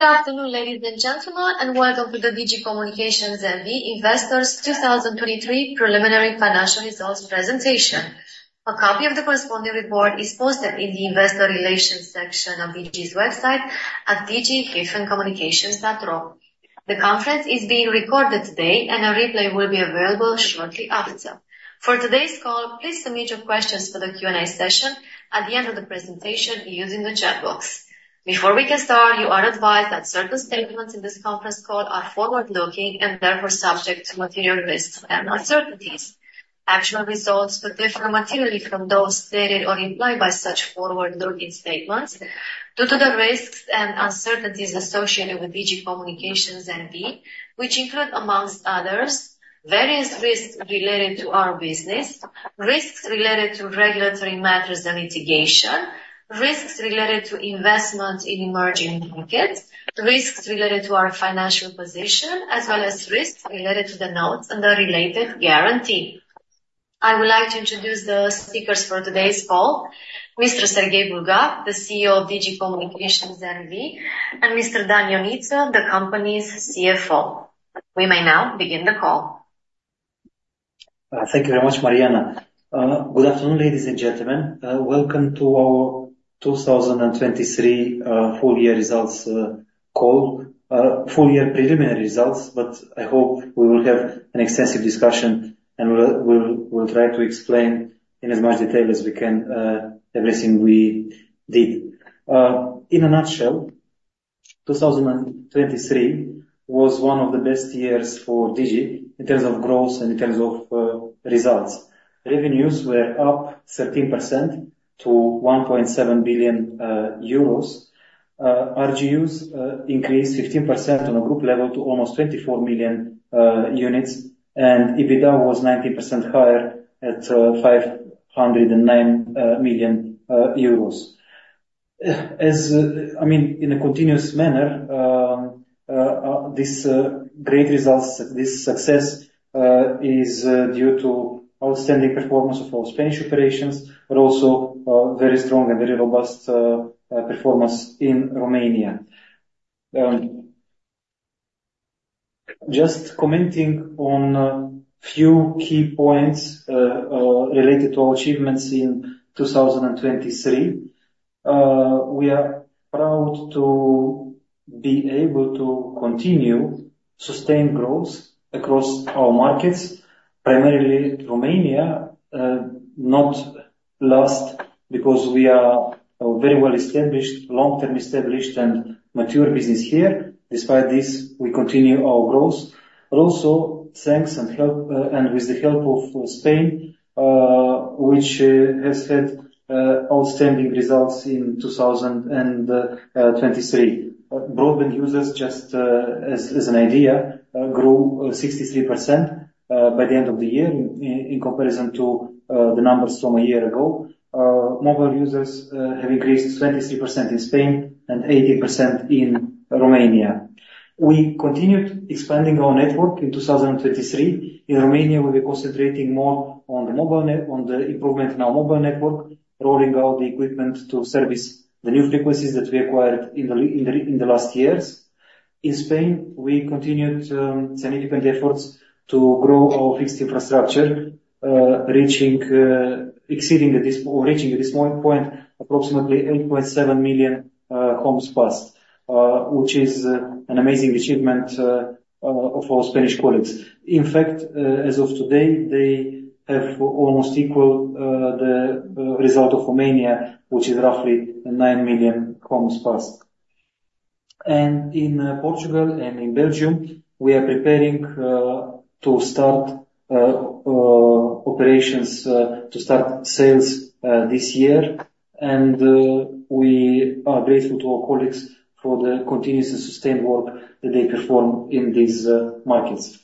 Good afternoon, ladies and gentlemen, and welcome to the Digi Communications N.V. Investors 2023 Preliminary Financial Results presentation. A copy of the corresponding report is posted in the Investor Relations section of Digi's website at digi-communications.ro. The conference is being recorded today, and a replay will be available shortly after. For today's call, please submit your questions for the Q&A session at the end of the presentation using the chat box. Before we can start, you are advised that certain statements in this conference call are forward-looking and therefore subject to material risks and uncertainties. Actual results could differ materially from those stated or implied by such forward-looking statements due to the risks and uncertainties associated with Digi Communications N.V., which include, among others, various risks related to our business, risks related to regulatory matters and litigation, risks related to investment in emerging markets, risks related to our financial position, as well as risks related to the notes and the related guarantee. I would like to introduce the speakers for today's call, Mr. Serghei Bulgac, the CEO of Digi Communications N.V., and Mr. Dan Ionita, the company's CFO. We may now begin the call. Thank you very much, Mariana. Good afternoon, ladies and gentlemen. Welcome to our 2023 full year results call. Full year preliminary results, but I hope we will have an extensive discussion, and we'll try to explain in as much detail as we can, everything we did. In a nutshell, 2023 was one of the best years for Digi in terms of growth and in terms of results. Revenues were up 13% to 1.7 billion euros. RGUs increased 15% on a group level to almost 24 million units, and EBITDA was 19% higher at 509 million euros. As... I mean, in a continuous manner, this great results, this success, is due to outstanding performance of our Spanish operations, but also, very strong and very robust, performance in Romania. Just commenting on a few key points, related to our achievements in 2023. We are proud to be able to continue sustained growth across our markets, primarily Romania, not last because we are a very well-established, long-term established, and mature business here. Despite this, we continue our growth, but also thanks and help, and with the help of, Spain, which has had, outstanding results in 2023. Broadband users, just, as an idea, grew 63% by the end of the year in comparison to the numbers from a year ago. Mobile users have increased 23% in Spain and 80% in Romania. We continued expanding our network in 2023. In Romania, we were concentrating more on the improvement in our mobile network, rolling out the equipment to service the new frequencies that we acquired in the last years. In Spain, we continued significant efforts to grow our fixed infrastructure, reaching at this point approximately 8.7 million homes passed, which is an amazing achievement of our Spanish colleagues. In fact, as of today, they have almost equal, the result of Romania, which is roughly nine million homes passed. And in Portugal and in Belgium, we are preparing to start operations to start sales this year. And we are grateful to our colleagues for the continuous and sustained work that they perform in these markets.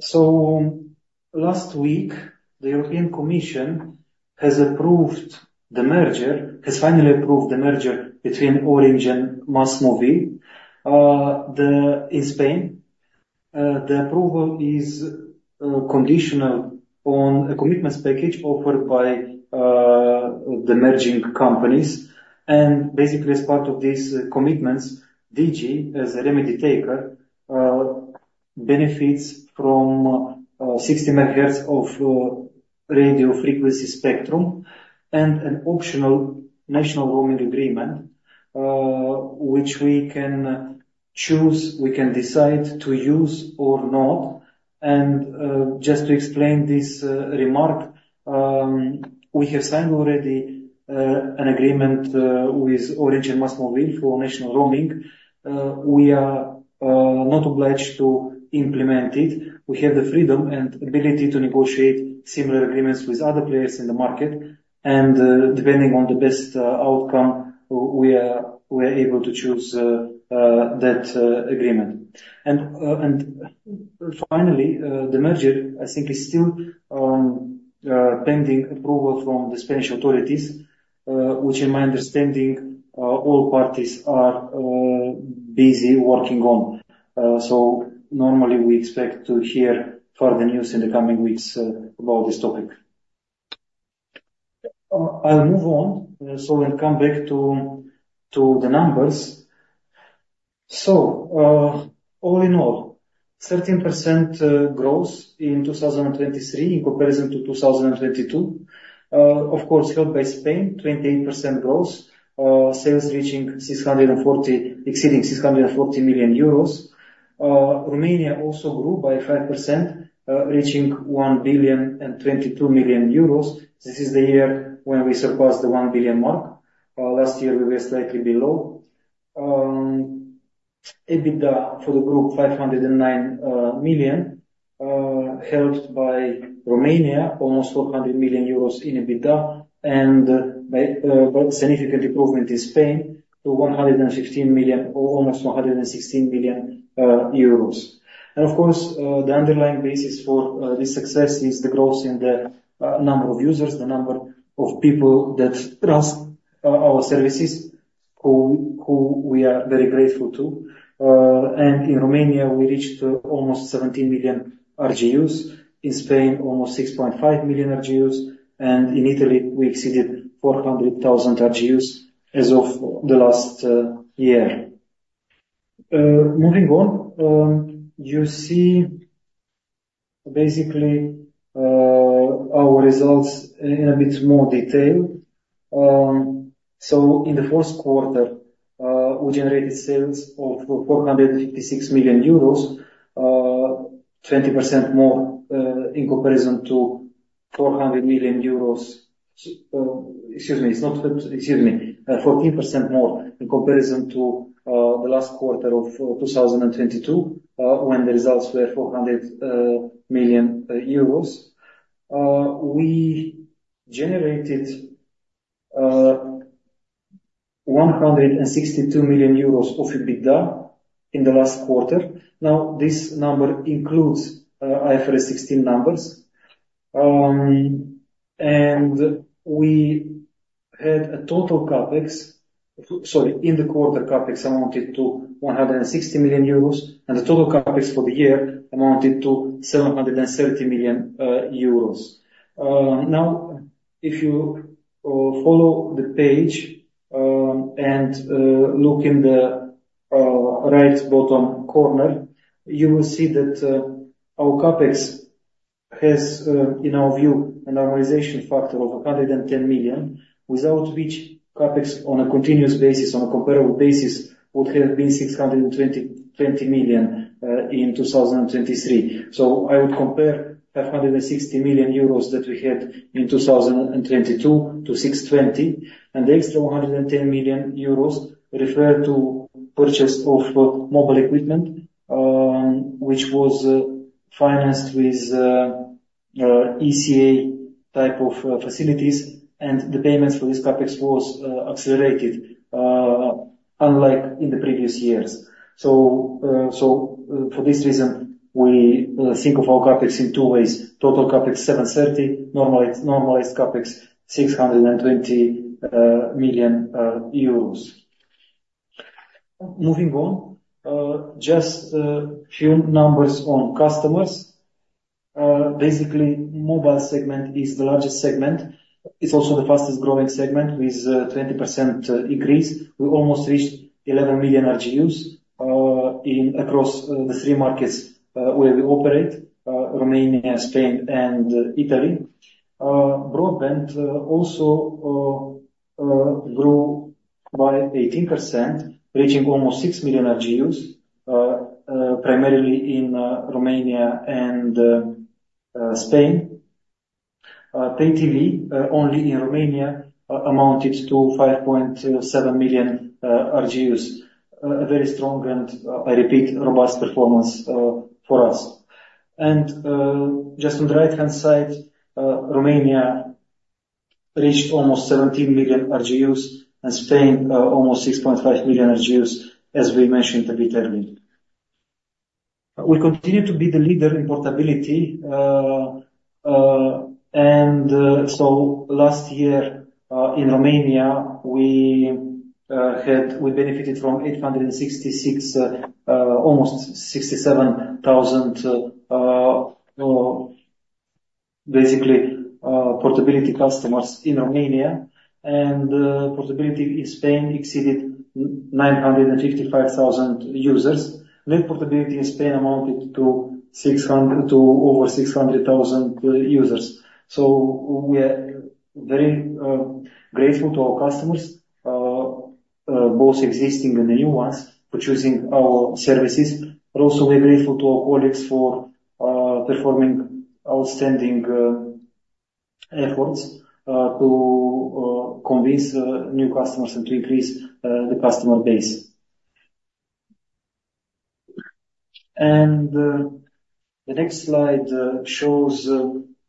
So last week, the European Commission has approved the merger, has finally approved the merger between Orange and MásMóvil. In Spain, the approval is conditional on a commitments package offered by the merging companies. And basically, as part of these commitments, Digi, as a remedy taker, benefits from 60 megahertz of radio frequency spectrum and an optional national roaming agreement, which we can choose, we can decide to use or not. Just to explain this remark, we have signed already an agreement with Orange and MásMóvil for national roaming. We are not obliged to implement it. We have the freedom and ability to negotiate similar agreements with other players in the market, and depending on the best outcome, we are able to choose that agreement. And finally, the merger, I think, is still pending approval from the Spanish authorities, which in my understanding, all parties are busy working on. So normally we expect to hear further news in the coming weeks about this topic. I'll move on, so we'll come back to the numbers. So, all in all, 13% growth in 2023 in comparison to 2022. Of course, helped by Spain, 28% growth, sales exceeding 640 million euros. Romania also grew by 5%, reaching 1,022 million euros. This is the year when we surpassed the 1 billion mark. Last year we were slightly below. EBITDA for the group, 509 million, helped by Romania, almost 400 million euros in EBITDA, and by but significant improvement in Spain to 115 million, or almost 116 million euros. Of course, the underlying basis for this success is the growth in the number of users, the number of people that trust our services, who we are very grateful to. In Romania, we reached almost 17 million RGUs. In Spain, almost 6.5 million RGUs, and in Italy, we exceeded 400,000 RGUs as of the last year. Moving on, you see, basically, our results in a bit more detail. In the first quarter, we generated sales of 456 million euros, 20% more in comparison to 400 million euros. Excuse me, it's not... Excuse me, 14% more in comparison to the last quarter of 2022, when the results were EUR 400 million. We generated 162 million euros of EBITDA in the last quarter. Now, this number includes IFRS 16 numbers. We had a total CapEx, sorry, in the quarter, CapEx amounted to 160 million euros, and the total CapEx for the year amounted to 730 million euros. Now, if you follow the page and look in the right bottom corner, you will see that our CapEx has, in our view, an amortization factor of 110 million, without which, CapEx, on a continuous basis, on a comparable basis, would have been 620 million in 2023. So I would compare 560 million euros that we had in 2022 to 620, and the extra 110 million euros refer to purchase of mobile equipment, which was financed with ECA type of facilities, and the payments for this CapEx was accelerated, unlike in the previous years. For this reason, we think of our CapEx in two ways: total CapEx, EUR 730 million; normalized CapEx, 620 million euros. Moving on, just few numbers on customers. Basically, mobile segment is the largest segment. It's also the fastest-growing segment with 20% increase. We almost reached 11 million RGUs across the three markets where we operate, Romania, Spain, and Italy. Broadband also grew by 18%, reaching almost 6 million RGUs, primarily in Romania and Spain. Pay TV, only in Romania, amounted to 5.7 million RGUs. A very strong and, I repeat, robust performance for us. And just on the right-hand side, Romania reached almost 17 million RGUs, and Spain almost 6.5 million RGUs, as we mentioned a bit earlier. We continue to be the leader in portability, and so last year in Romania, we had... We benefited from 866 almost 67,000 basically portability customers in Romania, and portability in Spain exceeded nine hundred and fifty-five thousand users. Net portability in Spain amounted to 600 users to over 600,000 users. So we are very grateful to our customers both existing and the new ones, for choosing our services. But also, we're grateful to our colleagues for performing outstanding efforts to convince new customers and to increase the customer base. The next slide shows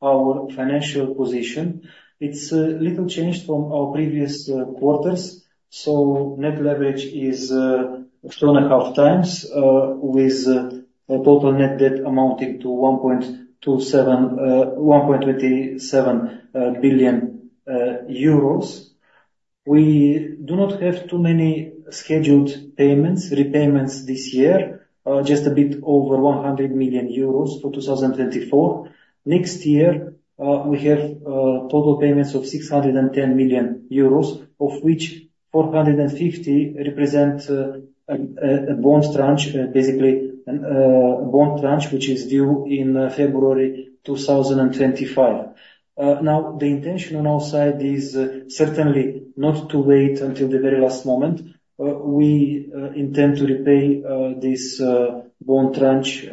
our financial position. It's little changed from our previous quarters, so net leverage is 2.5 times, with a total net debt amounting to 1.27 billion euros. We do not have too many scheduled payments, repayments this year, just a bit over 100 million euros for 2024. Next year, we have total payments of 610 million euros, of which 450 represent a bond tranche, basically, a bond tranche, which is due in February 2025. Now, the intention on our side is certainly not to wait until the very last moment. We intend to repay this bond tranche,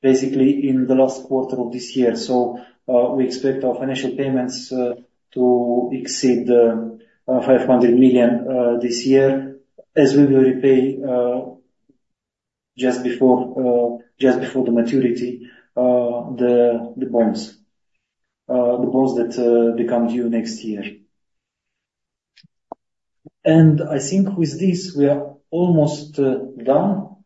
basically, in the last quarter of this year. So, we expect our financial payments to exceed 500 million this year, as we will repay just before, just before the maturity, the bonds, the bonds that become due next year. And I think with this, we are almost done,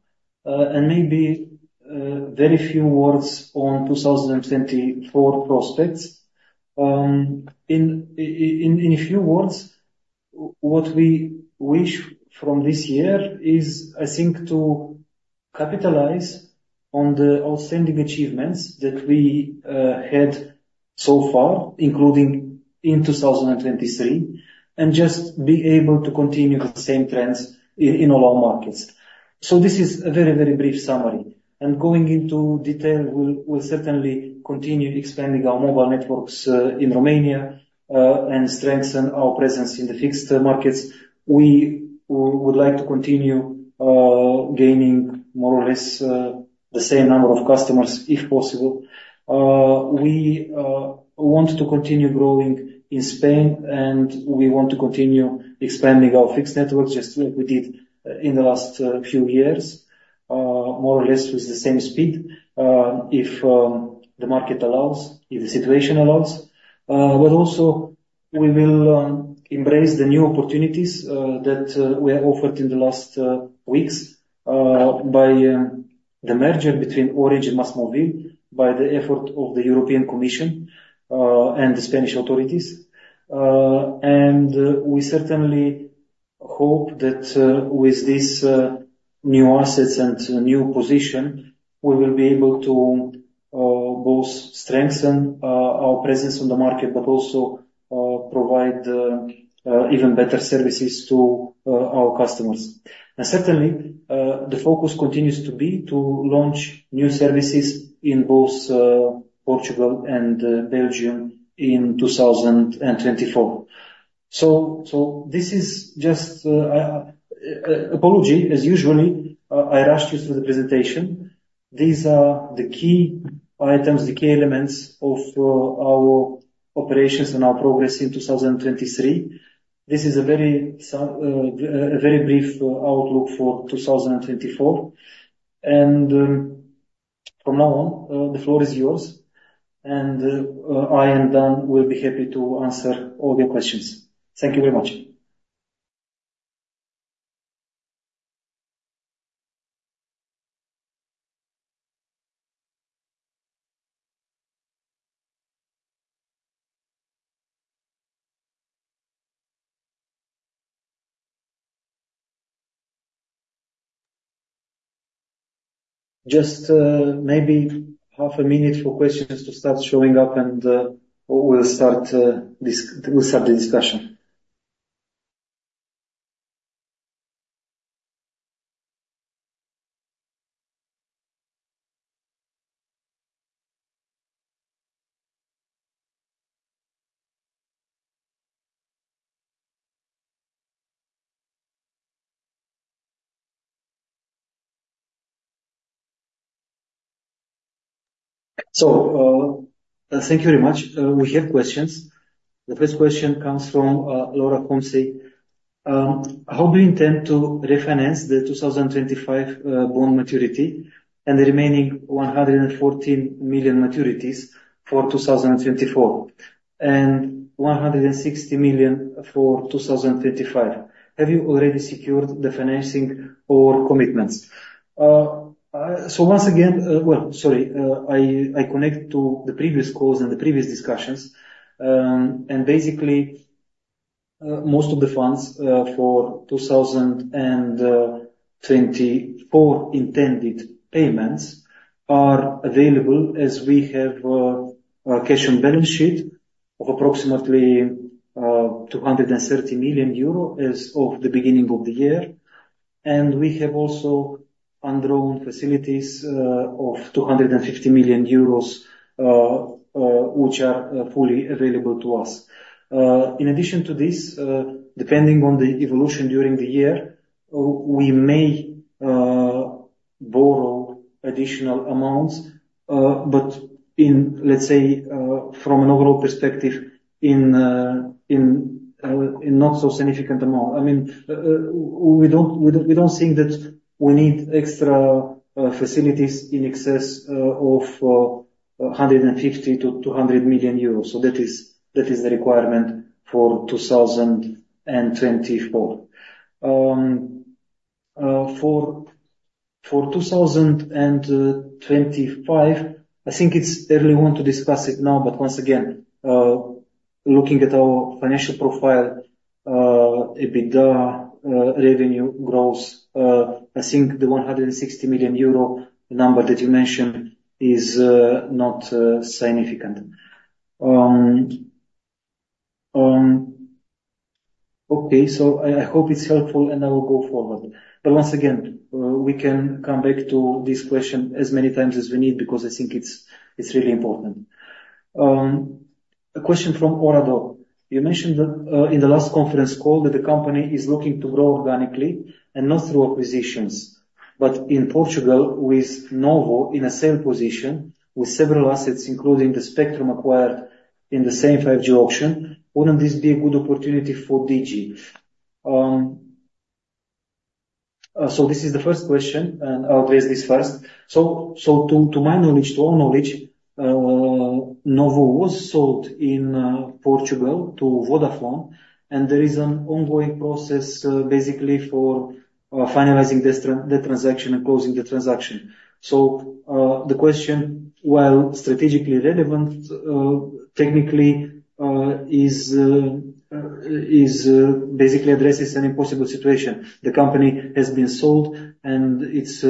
and maybe very few words on 2024 prospects. In a few words, what we wish from this year is, I think, to capitalize on the outstanding achievements that we had so far, including in 2023, and just be able to continue the same trends in all our markets. So this is a very, very brief summary, and going into detail, we'll certainly continue expanding our mobile networks in Romania and strengthen our presence in the fixed markets. We would like to continue gaining more or less the same number of customers, if possible. We want to continue growing in Spain, and we want to continue expanding our fixed network, just like we did in the last few years, more or less with the same speed, if the market allows, if the situation allows. But also, we will embrace the new opportunities that we are offered in the last weeks by the merger between Orange and MásMóvil, by the effort of the European Commission and the Spanish authorities. And we certainly hope that with these new assets and new position, we will be able to both strengthen our presence on the market, but also provide even better services to our customers. And certainly the focus continues to be to launch new services in both Portugal and Belgium in 2024. So this is just apology, as usual, I rushed you through the presentation. These are the key items, the key elements of our operations and our progress in 2023. This is a very brief outlook for 2024. From now on, the floor is yours, and I and Dan will be happy to answer all your questions. Thank you very much. Just maybe half a minute for questions to start showing up, and we'll start the discussion. Thank you very much. We have questions. The first question comes from Laura Panco. How do you intend to refinance the 2025 bond maturity and the remaining 114 million maturities for 2024, and 160 million for 2025? Have you already secured the financing or commitments? So once again, well, sorry, I connect to the previous calls and the previous discussions. And basically, most of the funds for 2024 intended payments are available as we have a cash and balance sheet of approximately 230 million euro as of the beginning of the year, and we have also undrawn facilities of 250 million euros which are fully available to us. In addition to this, depending on the evolution during the year, we may borrow additional amounts, but in, let's say, from an overall perspective, in not so significant amount. I mean, we don't think that we need extra facilities in excess of 150 million-200 million euros. So that is the requirement for 2024. For 2025, I think it's early to discuss it now, but once again, looking at our financial profile, EBITDA, revenue growth, I think the 160 million euro number that you mentioned is not significant. Okay, so I hope it's helpful, and I will go forward. But once again, we can come back to this question as many times as we need, because I think it's really important. A question from Orador: You mentioned that, in the last conference call that the company is looking to grow organically and not through acquisitions, but in Portugal, with NOWO in a sale position with several assets, including the spectrum acquired in the same 5G auction, wouldn't this be a good opportunity for DG? So this is the first question, and I'll address this first. So to my knowledge, to our knowledge, NOWO was sold in Portugal to Vodafone, and there is an ongoing process, basically, for finalizing the transaction and closing the transaction. So the question, while strategically relevant, technically, basically addresses an impossible situation. The company has been sold and it's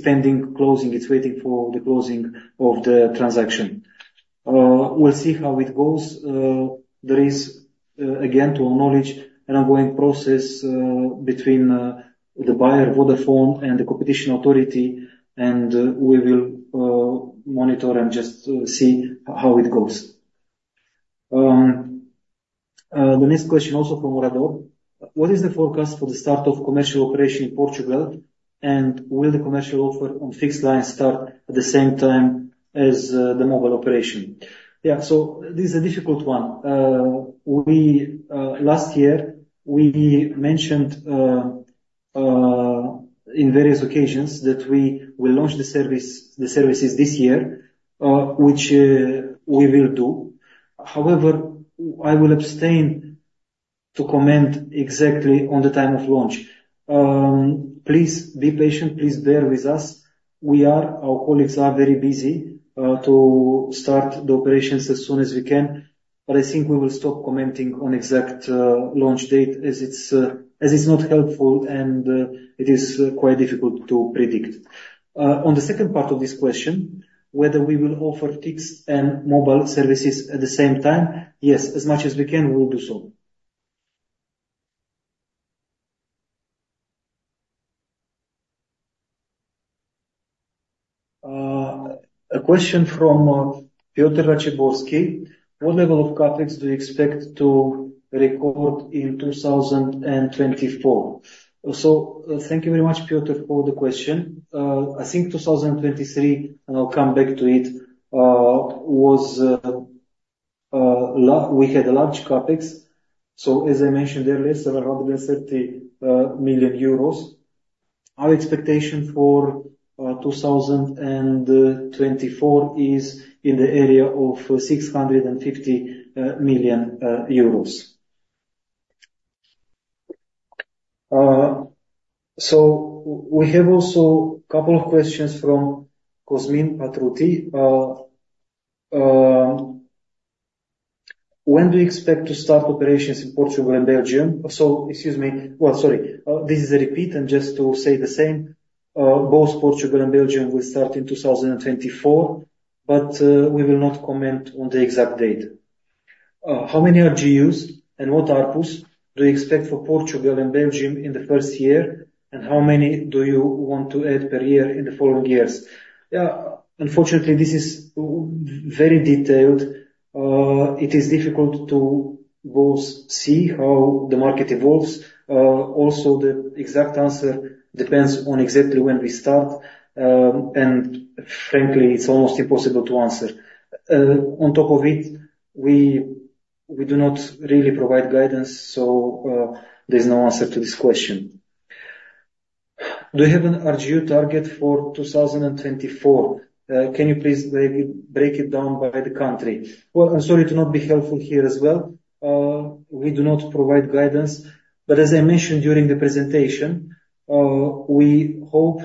pending closing. It's waiting for the closing of the transaction. We'll see how it goes. There is, again, to our knowledge, an ongoing process between the buyer, Vodafone, and the Competition Authority, and we will monitor and just see how it goes. The next question, also from Orador: What is the forecast for the start of commercial operation in Portugal, and will the commercial offer on fixed line start at the same time as the mobile operation? Yeah. So this is a difficult one. Last year, we mentioned in various occasions that we will launch the service, the services this year, which we will do. However, I will abstain to comment exactly on the time of launch. Please be patient. Please bear with us. We are, our colleagues are very busy, to start the operations as soon as we can, but I think we will stop commenting on exact, launch date, as it's, as it's not helpful, and, it is, quite difficult to predict. On the second part of this question, whether we will offer fixed and mobile services at the same time, yes, as much as we can, we will do so. A question from, Piotr Raciborski: What level of CapEx do you expect to record in 2024? So thank you very much, Peter, for the question. I think 2023, and I'll come back to it, was, we had a large CapEx. So as I mentioned earlier, around EUR 30 million. Our expectation for 2024 is in the area of 650 million euros. So we have also a couple of questions from Cosmin Patruti. When do you expect to start operations in Portugal and Belgium? So excuse me. Well, sorry, this is a repeat, and just to say the same, both Portugal and Belgium will start in 2024, but we will not comment on the exact date. How many RGUs and what ARPUs do you expect for Portugal and Belgium in the first year, and how many do you want to add per year in the following years? Yeah, unfortunately, this is very detailed. It is difficult to both see how the market evolves. Also, the exact answer depends on exactly when we start, and frankly, it's almost impossible to answer. On top of it, we do not really provide guidance, so there's no answer to this question. Do you have an RGU target for 2024? Can you please break it down by the country? Well, I'm sorry to not be helpful here as well. We do not provide guidance, but as I mentioned during the presentation, we hope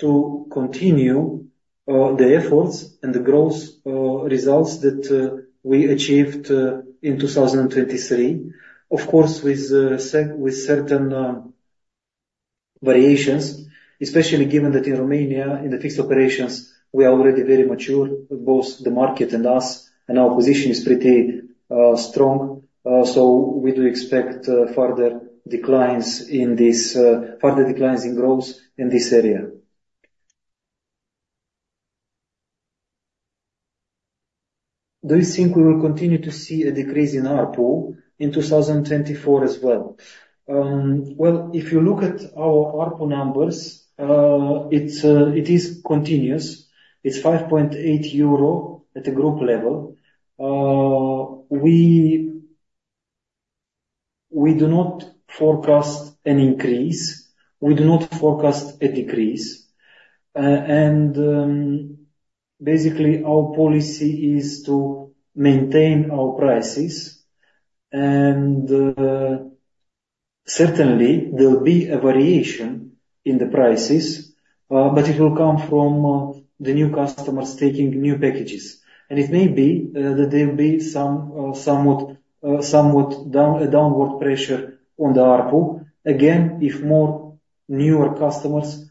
to continue the efforts and the growth results that we achieved in 2023. Of course, with certain variations, especially given that in Romania, in the fixed operations, we are already very mature, both the market and us, and our position is pretty strong. So we do expect further declines in growth in this area. Do you think we will continue to see a decrease in ARPU in 2024 as well? Well, if you look at our ARPU numbers, it is continuous. It's 5.8 euro at the group level. We do not forecast an increase. We do not forecast a decrease. And, basically, our policy is to maintain our prices. And, certainly, there will be a variation in the prices, but it will come from the new customers taking new packages. And it may be that there will be some somewhat downward pressure on the ARPU. Again, if more newer customers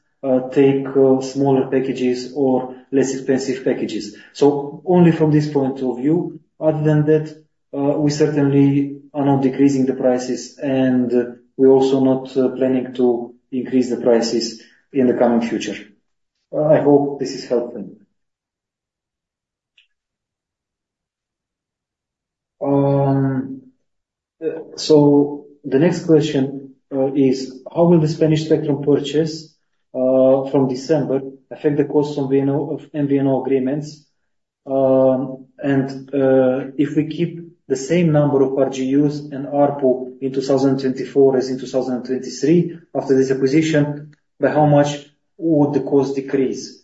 take smaller packages or less expensive packages. So only from this point of view, other than that, we certainly are not decreasing the prices, and we're also not planning to increase the prices in the coming future. I hope this is helpful. So the next question is: How will the Spanish spectrum purchase from December affect the cost on MVNO of MVNO agreements? And, if we keep the same number of RGUs and ARPU in 2024 as in 2023 after this acquisition, by how much would the cost decrease?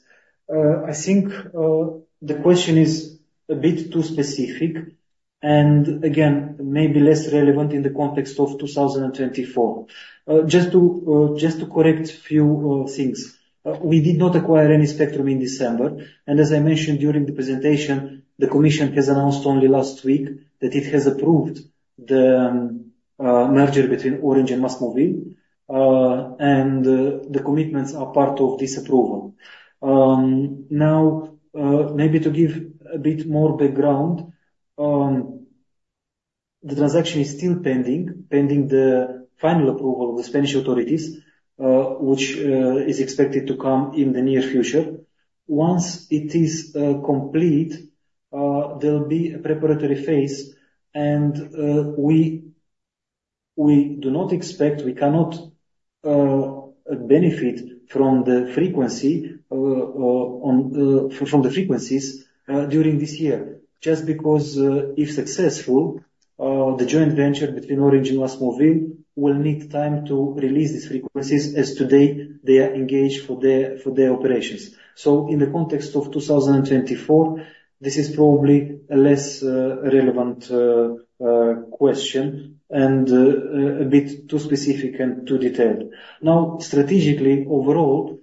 I think the question is a bit too specific, and again, maybe less relevant in the context of 2024. Just to correct few things. We did not acquire any spectrum in December, and as I mentioned during the presentation, the commission has announced only last week that it has approved the merger between Orange and MásMóvil, and the commitments are part of this approval. Now, maybe to give a bit more background, the transaction is still pending the final approval with Spanish authorities, which is expected to come in the near future. Once it is complete, there'll be a preparatory phase, and we do not expect... We cannot benefit from the frequencies during this year. Just because, if successful, the joint venture between Orange and MásMóvil will need time to release these frequencies, as today, they are engaged for their operations. In the context of 2024, this is probably a less relevant question and a bit too specific and too detailed. Now, strategically, overall,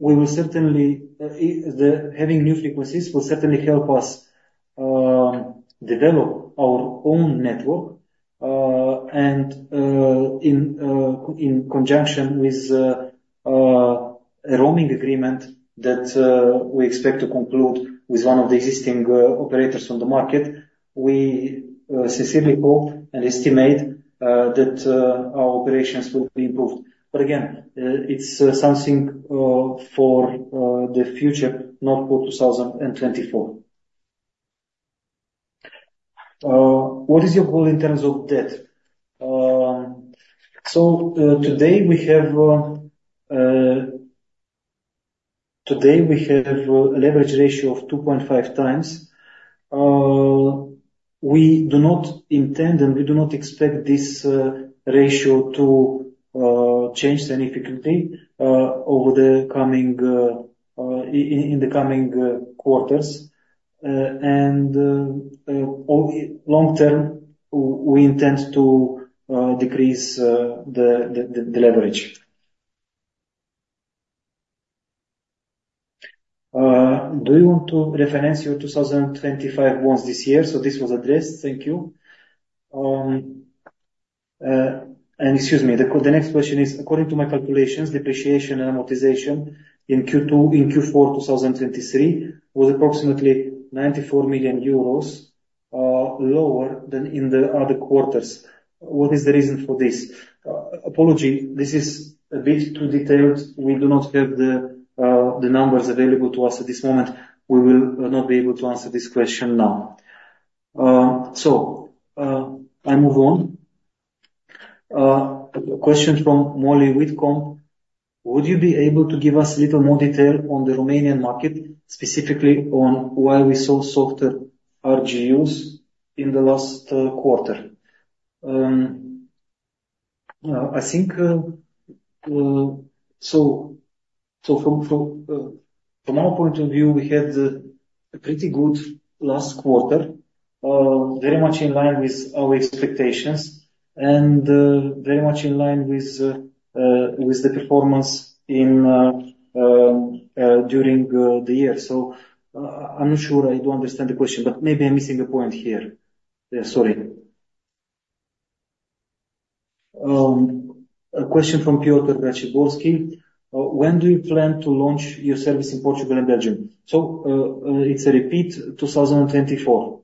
we will certainly the having new frequencies will certainly help us develop our own network. And in conjunction with a roaming agreement that we expect to conclude with one of the existing operators on the market, we sincerely hope and estimate that our operations will be improved. But again, it's something for the future, not for 2024. What is your goal in terms of debt? Today we have a leverage ratio of 2.5x. We do not intend, and we do not expect this ratio to change significantly over the coming quarters. Long term, we intend to decrease the leverage. Do you want to refinance your 2025 bonds this year? This was addressed. Thank you. And excuse me, the next question is: According to my calculations, depreciation and amortization in Q2, in Q4 2023, was approximately 94 million euros lower than in the other quarters. What is the reason for this? Apology, this is a bit too detailed. We do not have the numbers available to us at this moment. We will not be able to answer this question now. I move on. A question from Molly Whitcomb: Would you be able to give us a little more detail on the Romanian market, specifically on why we saw softer RGUs in the last quarter? I think... So from our point of view, we had a pretty good last quarter, very much in line with our expectations and very much in line with the performance during the year. So, I'm not sure. I don't understand the question, but maybe I'm missing the point here. Yeah, sorry. A question from Piotr Prachowski: When do you plan to launch your service in Portugal and Belgium? So, it's a repeat 2024.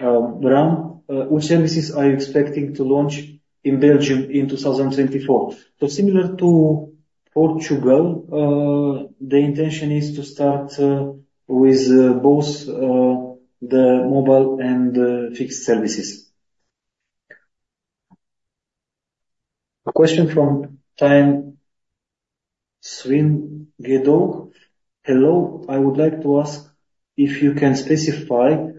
Ram: Which services are you expecting to launch in Belgium in 2024? So similar to Portugal, the intention is to start with both the mobile and the fixed services. A question from Tianshuo Guo: Hello, I would like to ask if you can specify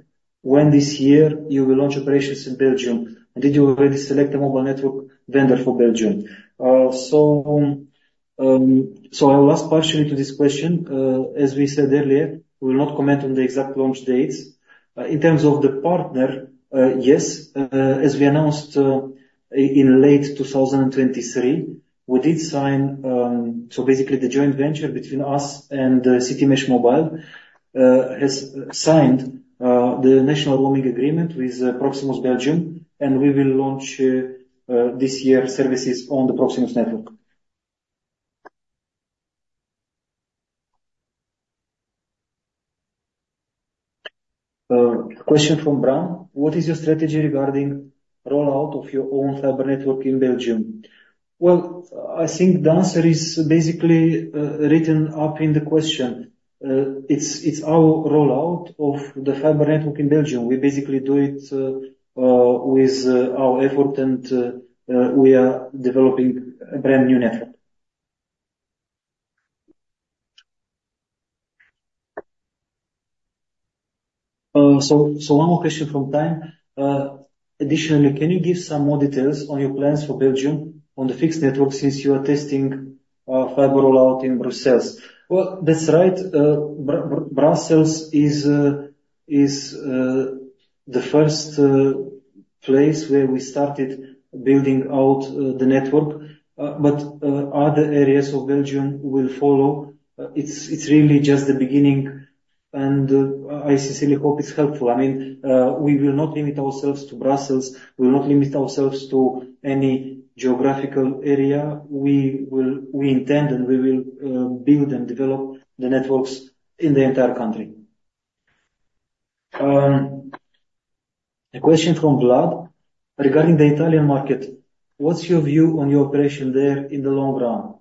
when this year you will launch operations in Belgium? Did you already select a mobile network vendor for Belgium? So I will ask partially to this question. As we said earlier, we will not comment on the exact launch dates. In terms of the partner, yes, as we announced, in late 2023, we did sign, so basically the joint venture between us and Citymesh, has signed, the national roaming agreement with Proximus, and we will launch, this year services on the Proximus network. Question from Brown: What is your strategy regarding rollout of your own fiber network in Belgium? Well, I think the answer is basically, written up in the question. It's our rollout of the fiber network in Belgium. We basically do it, with our effort, and, we are developing a brand new network. So one more question from Time. Additionally, can you give some more details on your plans for Belgium on the fixed network since you are testing fiber rollout in Brussels? Well, that's right. Brussels is the first place where we started building out the network, but other areas of Belgium will follow. It's really just the beginning, and I sincerely hope it's helpful. I mean, we will not limit ourselves to Brussels. We will not limit ourselves to any geographical area. We intend, and we will, build and develop the networks in the entire country. A question from Vlad: Regarding the Italian market, what's your view on your operation there in the long run?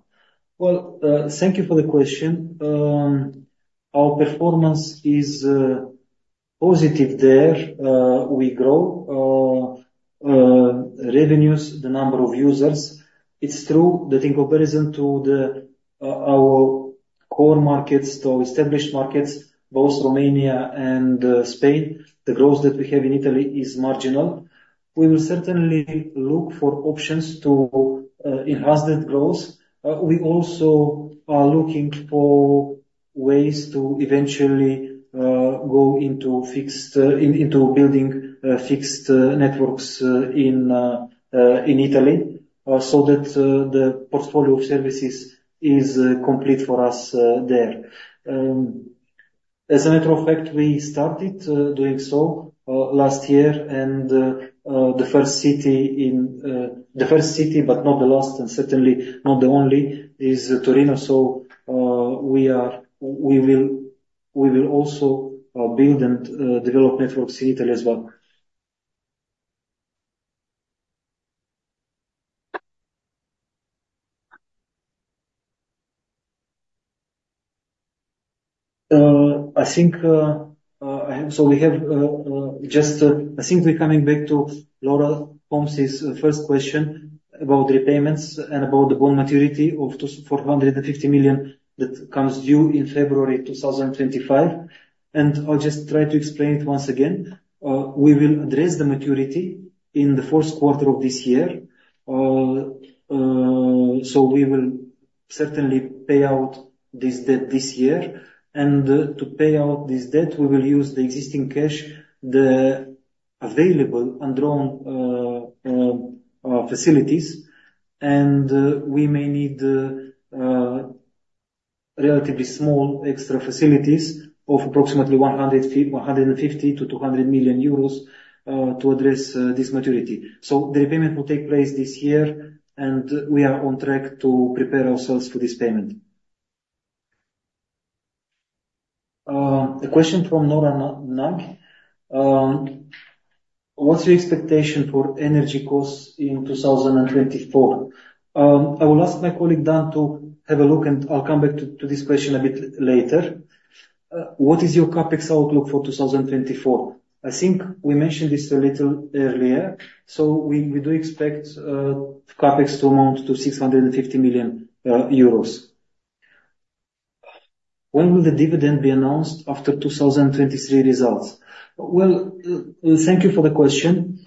Well, thank you for the question. Our performance is positive there. We grow revenues, the number of users. It's true that in comparison to the our core markets, to our established markets, both Romania and Spain, the growth that we have in Italy is marginal. We will certainly look for options to enhance that growth. We also are looking for ways to eventually go into fixed, into building fixed networks in Italy, so that the portfolio of services is complete for us there. As a matter of fact, we started doing so last year, and the first city in... The first city, but not the last, and certainly not the only, is Torino. So we are, we will, we will also build and develop networks in Italy as well. I think we're coming back to Laura Holmes' first question about repayments and about the bond maturity of those 450 million that comes due in February 2025. I'll just try to explain it once again. We will address the maturity in the first quarter of this year. So we will certainly pay out this debt this year, and to pay out this debt, we will use the existing cash, the available and drawn facilities, and we may need relatively small extra facilities of approximately 150 million-200 million euros to address this maturity. So the repayment will take place this year, and we are on track to prepare ourselves for this payment. A question from Nora Nunk: What's your expectation for energy costs in 2024? I will ask my colleague, Dan, to have a look, and I'll come back to this question a bit later. What is your CapEx outlook for 2024? I think we mentioned this a little earlier. So we do expect CapEx to amount to 650 million euros. When will the dividend be announced after 2023 results? Well, thank you for the question.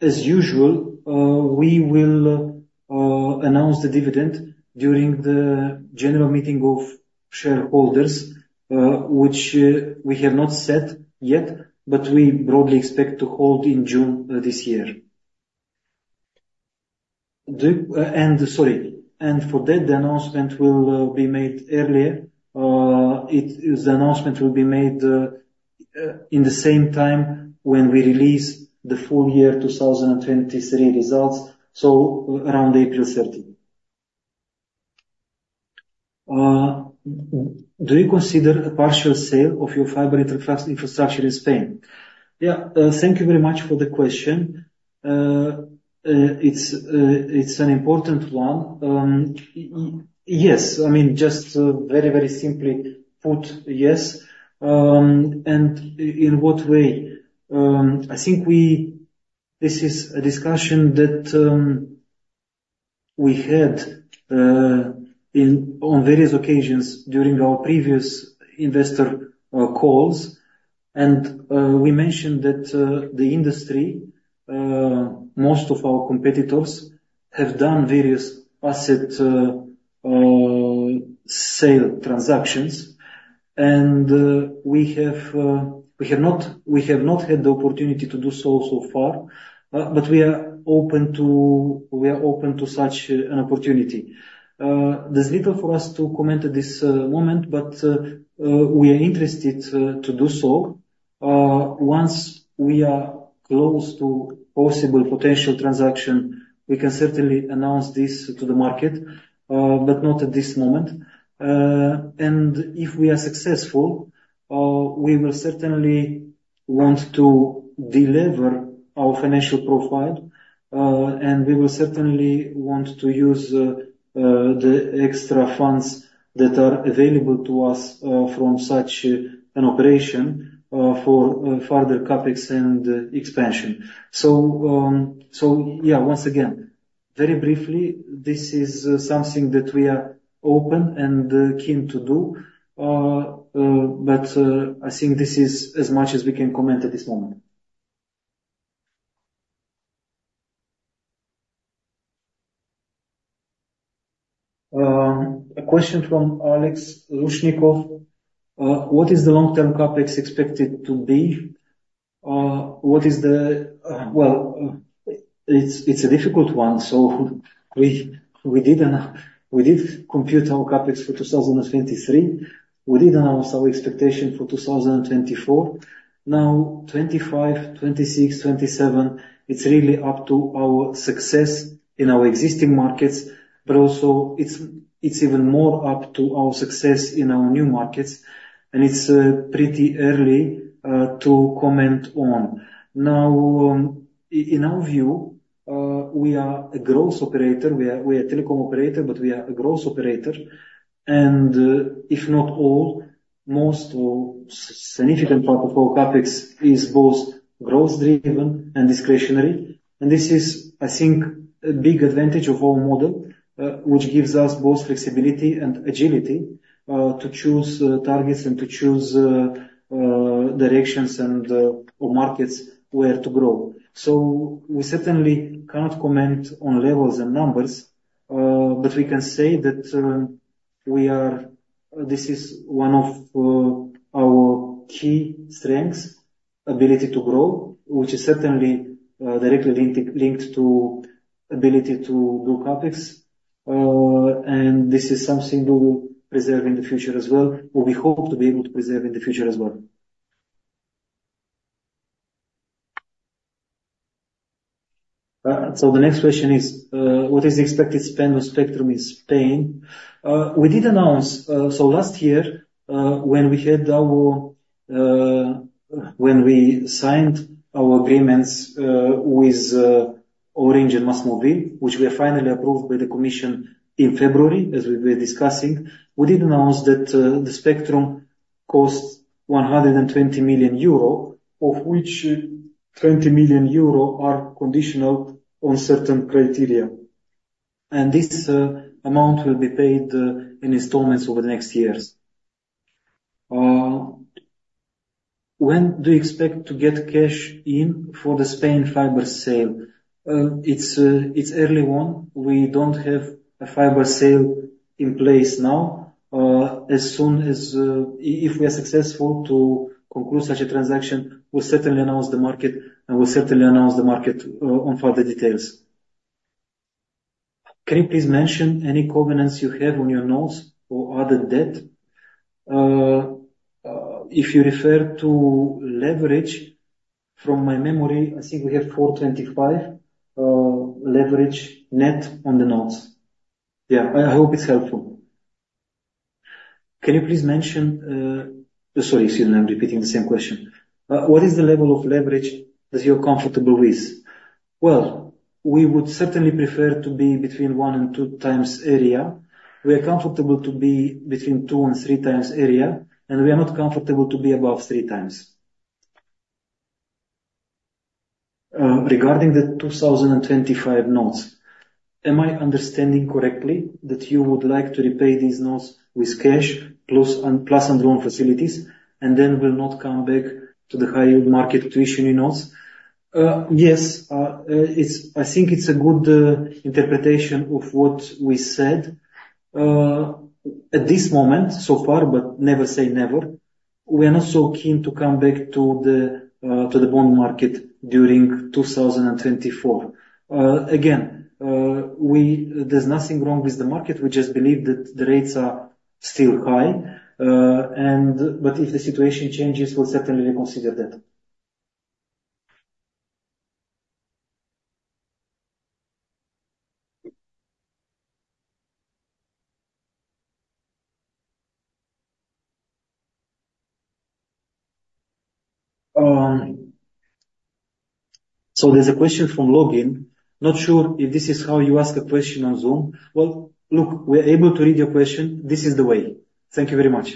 As usual, we will announce the dividend during the general meeting of shareholders, which we have not set yet, but we broadly expect to hold in June this year. And sorry, for that, the announcement will be made earlier. The announcement will be made in the same time when we release the full year 2023 results, so around April 13th. Do you consider a partial sale of your fiber infrastructure in Spain? Yeah, thank you very much for the question. It's an important one. Yes, I mean, just very, very simply put, yes. And in what way? I think we... This is a discussion that we had on various occasions during our previous investor calls. We mentioned that the industry, most of our competitors, have done various asset sale transactions, and we have not had the opportunity to do so, so far, but we are open to such an opportunity. There's little for us to comment at this moment, but we are interested to do so. Once we are close to possible potential transaction, we can certainly announce this to the market, but not at this moment. And if we are successful, we will certainly want to delever our financial profile, and we will certainly want to use the extra funds that are available to us from such an operation for further CapEx and expansion. So yeah, once again, very briefly, this is something that we are open and keen to do. But I think this is as much as we can comment at this moment. A question from Alex Lushnikov. What is the long-term CapEx expected to be? What is the... Well, it's a difficult one, so we did compute our CapEx for 2023. We did announce our expectation for 2024. Now, 2025, 2026, 2027, it's really up to our success in our existing markets, but also, it's even more up to our success in our new markets, and it's pretty early to comment on. Now, in our view, we are a growth operator. We are a telecom operator, but we are a growth operator, and if not all, most or significant part of our CapEx is both growth driven and discretionary. And this is, I think, a big advantage of our model, which gives us both flexibility and agility to choose targets and to choose directions and or markets where to grow. So we certainly cannot comment on levels and numbers, but we can say that this is one of our key strengths, ability to grow, which is certainly directly linked to ability to do CapEx. And this is something we will preserve in the future as well, or we hope to be able to preserve in the future as well. So the next question is, what is the expected spend on spectrum in Spain? We did announce, so last year, when we had our, when we signed our agreements, with Orange and MásMóvil, which were finally approved by the commission in February, as we were discussing, we did announce that, the spectrum costs 120 million euro, of which 20 million euro are conditional on certain criteria. And this amount will be paid, in installments over the next years. When do you expect to get cash in for the Spain fiber sale? It's early on. We don't have a fiber sale in place now. As soon as if we are successful to conclude such a transaction, we'll certainly announce the market, and we'll certainly announce the market on further details. Can you please mention any covenants you have on your notes or other debt? If you refer to leverage, from my memory, I think we have 4.25 leverage net on the notes. Yeah, I hope it's helpful. Can you please mention... Sorry, excuse me, I'm repeating the same question. What is the level of leverage that you're comfortable with? Well, we would certainly prefer to be between 1x EBITDA and 2x EBITDA. We are comfortable to be between 2x EBITDA and 3x EBITDA, and we are not comfortable to be above 3x. Regarding the 2025 notes, am I understanding correctly that you would like to repay these notes with cash, plus and, plus and own facilities, and then will not come back to the high yield market to issue new notes? Yes. It's—I think it's a good interpretation of what we said. At this moment, so far, but never say never, we are not so keen to come back to the bond market during 2024. Again, there's nothing wrong with the market, we just believe that the rates are still high, and but if the situation changes, we'll certainly reconsider that. So there's a question from Logan: Not sure if this is how you ask a question on Zoom. Well, look, we're able to read your question. This is the way. Thank you very much.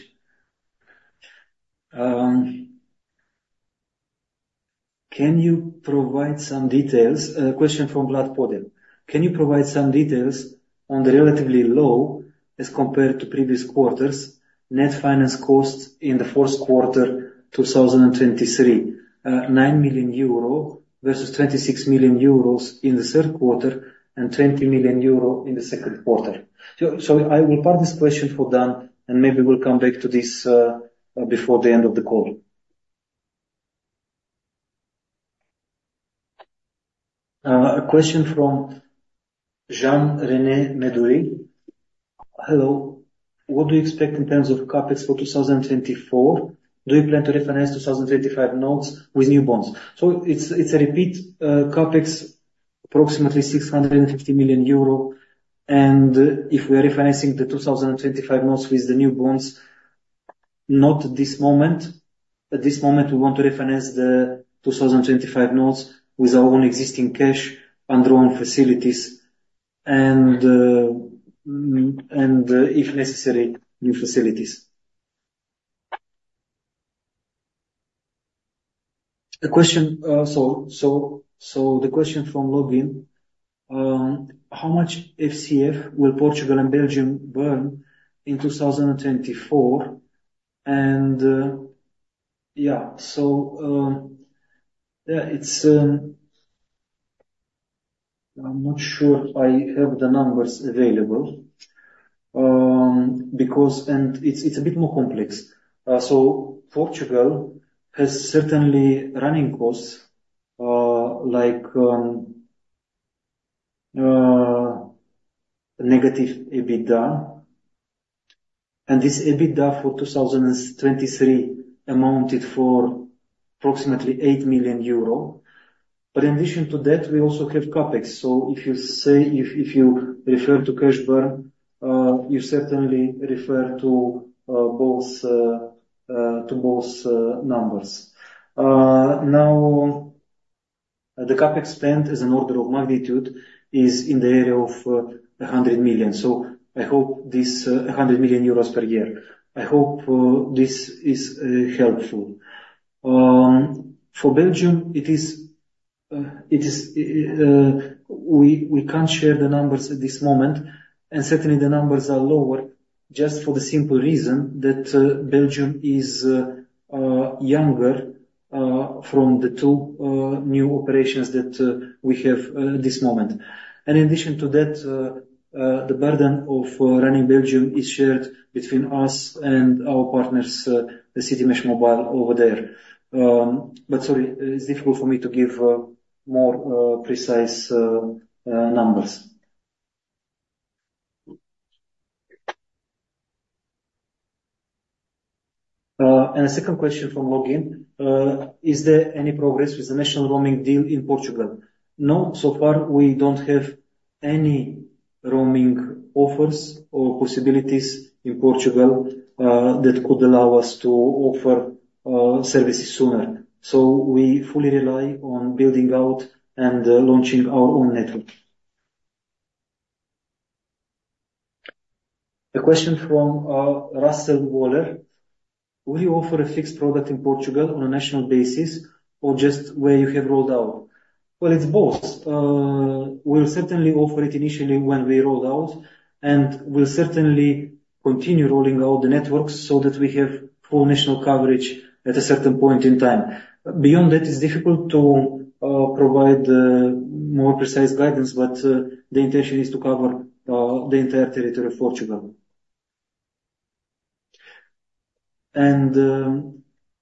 Can you provide some details, question from Vlad Podea: Can you provide some details on the relatively low as compared to previous quarters, net finance costs in the first quarter, 2023, 9 million euro versus 26 million euros in the third quarter and 20 million euro in the second quarter? So I will pass this question for Dan, and maybe we'll come back to this before the end of the call. A question from Jean-René Medoune. Hello, what do you expect in terms of CapEx for 2024? Do you plan to refinance 2025 notes with new bonds? So it's a repeat, CapEx, approximately 650 million euro, and if we are refinancing the 2025 notes with the new bonds, not at this moment. At this moment, we want to refinance the 2025 notes with our own existing cash and drawing facilities, and if necessary, new facilities. A question, so the question from Logan, how much FCF will Portugal and Belgium burn in 2024? And yeah, so yeah, it's... I'm not sure I have the numbers available, because it's a bit more complex. So Portugal has certainly running costs, like negative EBITDA, and this EBITDA for 2023 amounted for approximately 8 million euro. But in addition to that, we also have CapEx. So if you say, if you refer to cash burn, you certainly refer to both numbers. Now, the CapEx spend is an order of magnitude, is in the area of 100 million. So I hope this, 100 million euros per year. I hope this is helpful. For Belgium, it is, we can't share the numbers at this moment, and certainly, the numbers are lower just for the simple reason that, Belgium is younger of the two new operations that we have at this moment. And in addition to that, the burden of running Belgium is shared between us and our partners, the Citymesh over there. But sorry, it's difficult for me to give more precise numbers. And a second question from Logan: Is there any progress with the national roaming deal in Portugal? No, so far, we don't have any roaming offers or possibilities in Portugal that could allow us to offer services sooner. So we fully rely on building out and launching our own network. A question from Russell Waller: Will you offer a fixed product in Portugal on a national basis or just where you have rolled out? Well, it's both. We'll certainly offer it initially when we roll out, and we'll certainly continue rolling out the networks so that we have full national coverage at a certain point in time. Beyond that, it's difficult to provide more precise guidance, but the intention is to cover the entire territory of Portugal.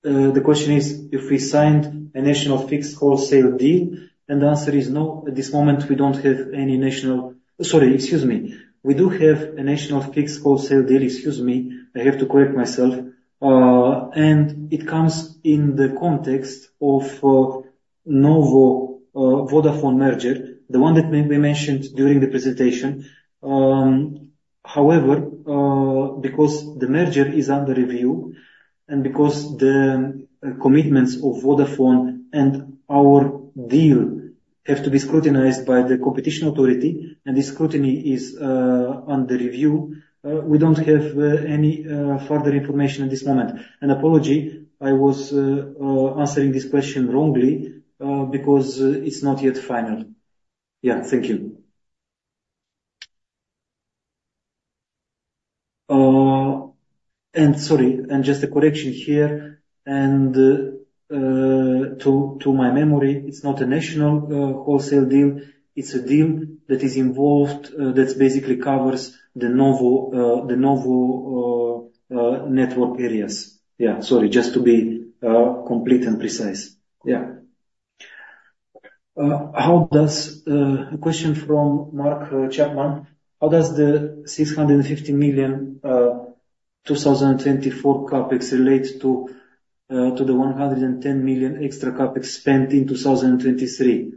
The question is, if we signed a national fixed wholesale deal, and the answer is no. At this moment, we don't have any national... Sorry, excuse me. We do have a national fixed wholesale deal, excuse me. I have to correct myself. And it comes in the context of NOWO, Vodafone merger, the one that we mentioned during the presentation. However, because the merger is under review, and because the commitments of Vodafone and our deal have to be scrutinized by the competition authority, and this scrutiny is under review, we don't have any further information at this moment. An apology, I was answering this question wrongly, because it's not yet final. Yeah, thank you. And sorry, and just a correction here, and to my memory, it's not a national wholesale deal. It's a deal that is involved, that basically covers the NOWO network areas. Yeah, sorry, just to be complete and precise. Yeah. How does a question from Mark Chapman: How does the 650 million 2024 CapEx relate to the 110 million extra CapEx spent in 2023?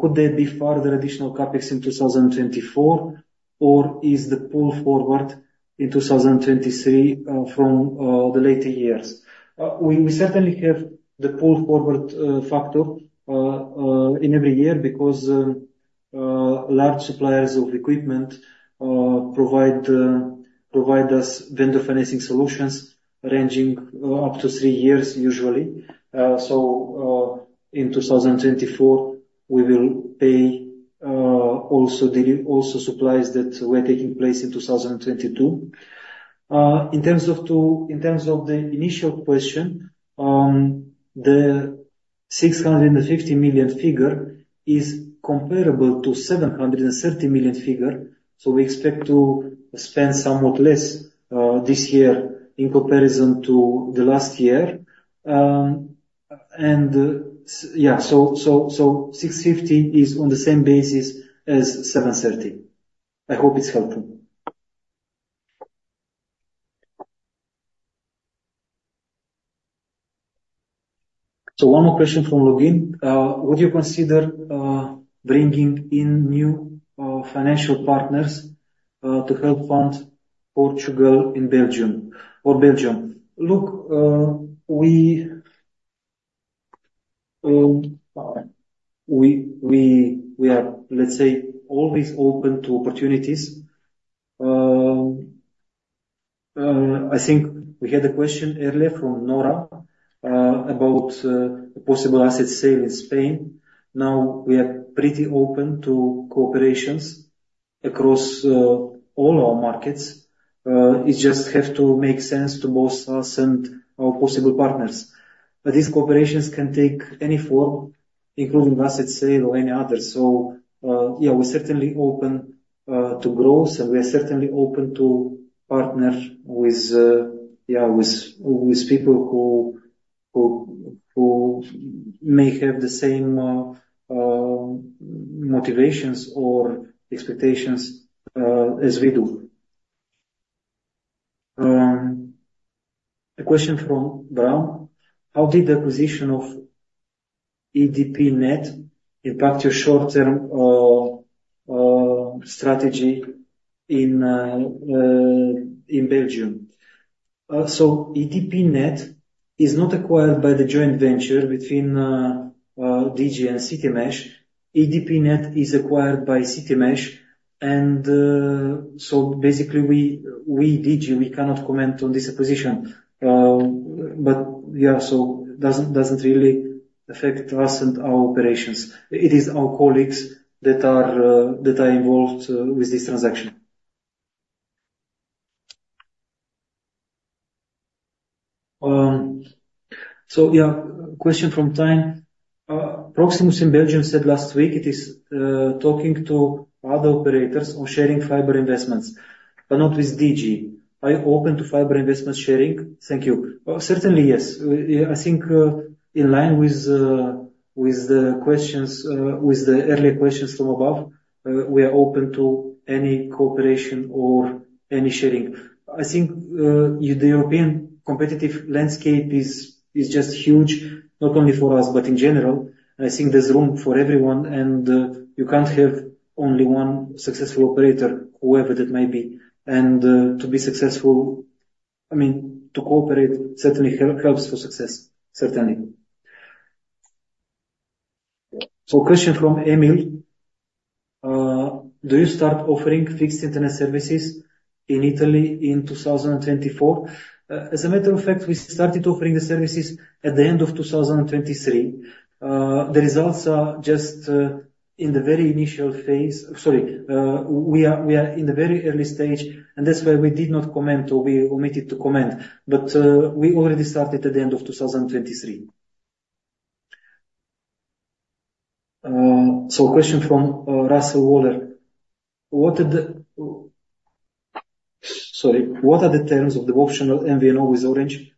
Could there be further additional CapEx in 2024, or is the pull forward in 2023 from the later years? We certainly have the pull forward factor in every year because large suppliers of equipment provide us vendor financing solutions ranging up to three years, usually. So, in 2024, we will pay also delivery, also supplies that were taking place in 2022. In terms of the initial question, the 650 million figure is comparable to the 730 million figure, so we expect to spend somewhat less this year in comparison to the last year. So six fifty is on the same basis as seven thirty. I hope it's helpful. So one more question from Logan. Would you consider bringing in new financial partners to help fund Portugal and Belgium or Belgium? Look, we are, let's say, always open to opportunities. I think we had a question earlier from Nora about a possible asset sale in Spain. Now, we are pretty open to cooperations across all our markets. It just have to make sense to both us and our possible partners. But these cooperations can take any form, including asset sale or any other. So, yeah, we're certainly open to growth, and we are certainly open to partner with, yeah, with people who may have the same motivations or expectations as we do. A question from Brown: How did the acquisition of EDPnet impact your short-term strategy in Belgium? So EDPnet is not acquired by the joint venture between DG and Citymesh. EDPnet is acquired by Citymesh, and so basically, we, DG, we cannot comment on this acquisition. But, yeah, so doesn't really affect us and our operations. It is our colleagues that are involved with this transaction. So, yeah, question from Time. Proximus in Belgium said last week it is talking to other operators on sharing fiber investments, but not with DG. Are you open to fiber investment sharing? Thank you. Certainly, yes. I think in line with the questions, with the earlier questions from above, we are open to any cooperation or any sharing. I think the European competitive landscape is just huge, not only for us, but in general. I think there's room for everyone, and you can't have only one successful operator, whoever that may be. To be successful... I mean, to cooperate certainly helps for success, certainly. So question from Emil. Do you start offering fixed internet services in Italy in 2024? As a matter of fact, we started offering the services at the end of 2023. The results are just in the very initial phase. We are, we are in the very early stage, and that's why we did not comment or we omitted to comment. But we already started at the end of 2023. So question from Russell Waller. What are the—Sorry. What are the terms of the optional MVNO with Orange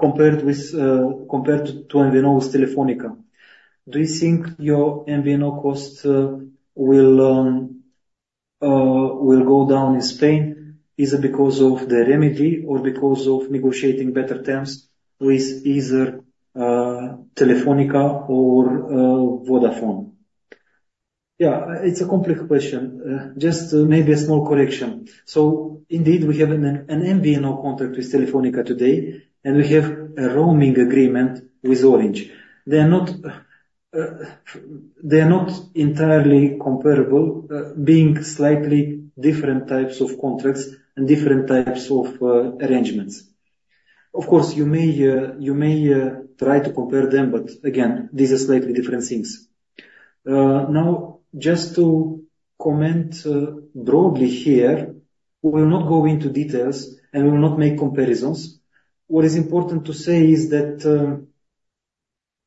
compared with compared to MVNO with Telefónica? Do you think your MVNO costs will go down in Spain, either because of the remedy or because of negotiating better terms with either Telefónica or Vodafone? Yeah, it's a complex question. Just maybe a small correction. So indeed, we have an MVNO contract with Telefónica today, and we have a roaming agreement with Orange. They are not entirely comparable, being slightly different types of contracts and different types of arrangements. Of course, you may try to compare them, but again, these are slightly different things. Now, just to comment broadly here, we will not go into details, and we will not make comparisons. What is important to say is that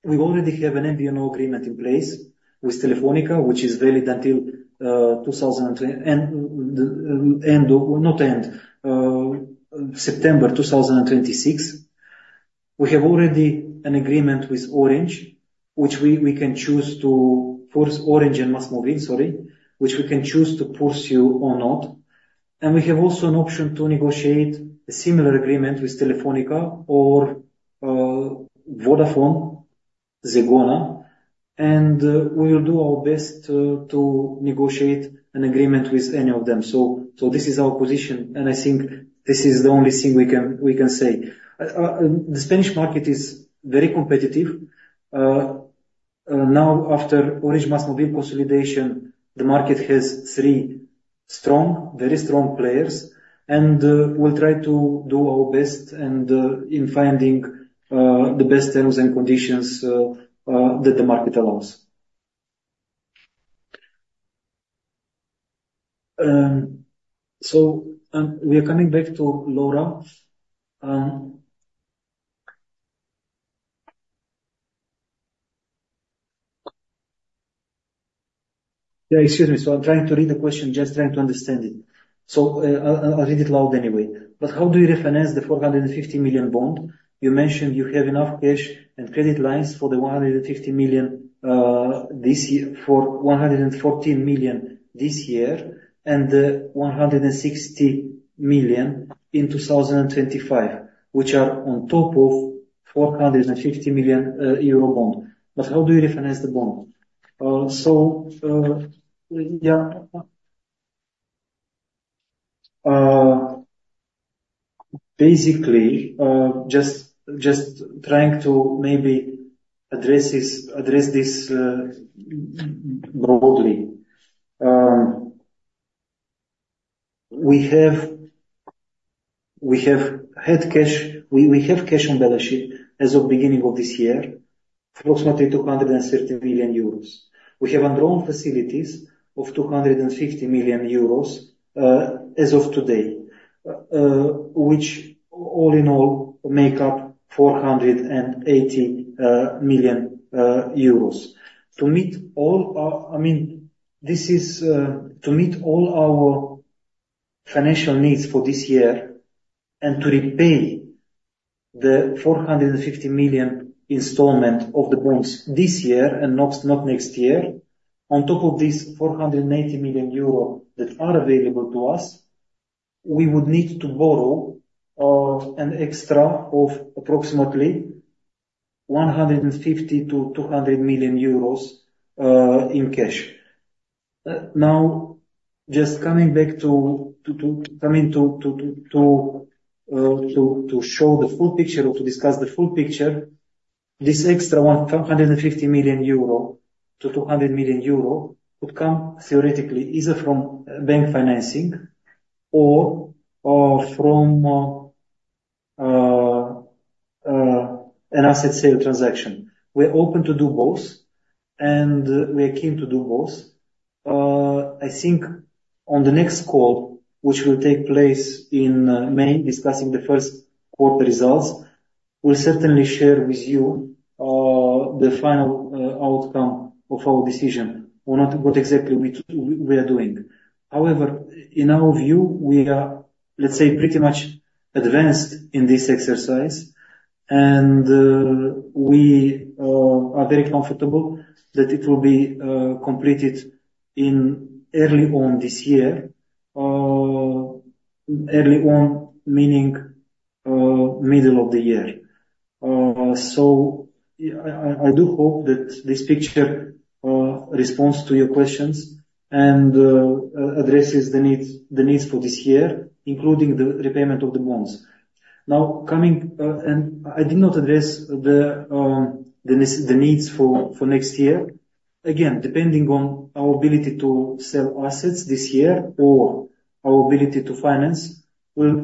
we already have an MVNO agreement in place with Telefónica, which is valid until September 2026. We have already an agreement with Orange, which we can choose to force Orange and MásMóvil, sorry, which we can choose to pursue or not. We have also an option to negotiate a similar agreement with Telefónica or Vodafone, Zegona, and we will do our best to negotiate an agreement with any of them. So this is our position, and I think this is the only thing we can say. The Spanish market is very competitive. Now after Orange MásMóvil consolidation, the market has three strong, very strong players, and we'll try to do our best in finding the best terms and conditions that the market allows. So we are coming back to Laura. Yeah, excuse me, so I'm trying to read the question, just trying to understand it. So I'll read it aloud anyway. But how do you refinance the 450 million bond? You mentioned you have enough cash and credit lines for the 150 million this year, for 114 million this year, and 160 million in 2025, which are on top of 450 million euro bond. But how do you refinance the bond? So, yeah. Basically, just trying to maybe address this broadly. We have had cash. We have cash on balance sheet as of beginning of this year, approximately 230 million euros. We have undrawn facilities of 250 million euros as of today, which all in all make up 480 million euros. To meet all our... I mean, this is to meet all our financial needs for this year and to repay the 450 million installment of the bonds this year and not next year, on top of this 480 million euro that are available to us, we would need to borrow an extra of approximately 150 million-200 million euros in cash. Now, just coming back to show the full picture or to discuss the full picture, this extra 150 million-200 million euro would come theoretically either from bank financing or from an asset sale transaction. We're open to do both, and we're keen to do both. I think on the next call, which will take place in May, discussing the first quarter results, we'll certainly share with you the final outcome of our decision on what exactly we are doing. However, in our view, we are, let's say, pretty much advanced in this exercise, and we are very comfortable that it will be completed in early on this year. Early on, meaning middle of the year. So I do hope that this picture responds to your questions and addresses the needs, the needs for this year, including the repayment of the bonds. Now, coming, and I did not address the the needs for next year. Again, depending on our ability to sell assets this year or our ability to finance, we'll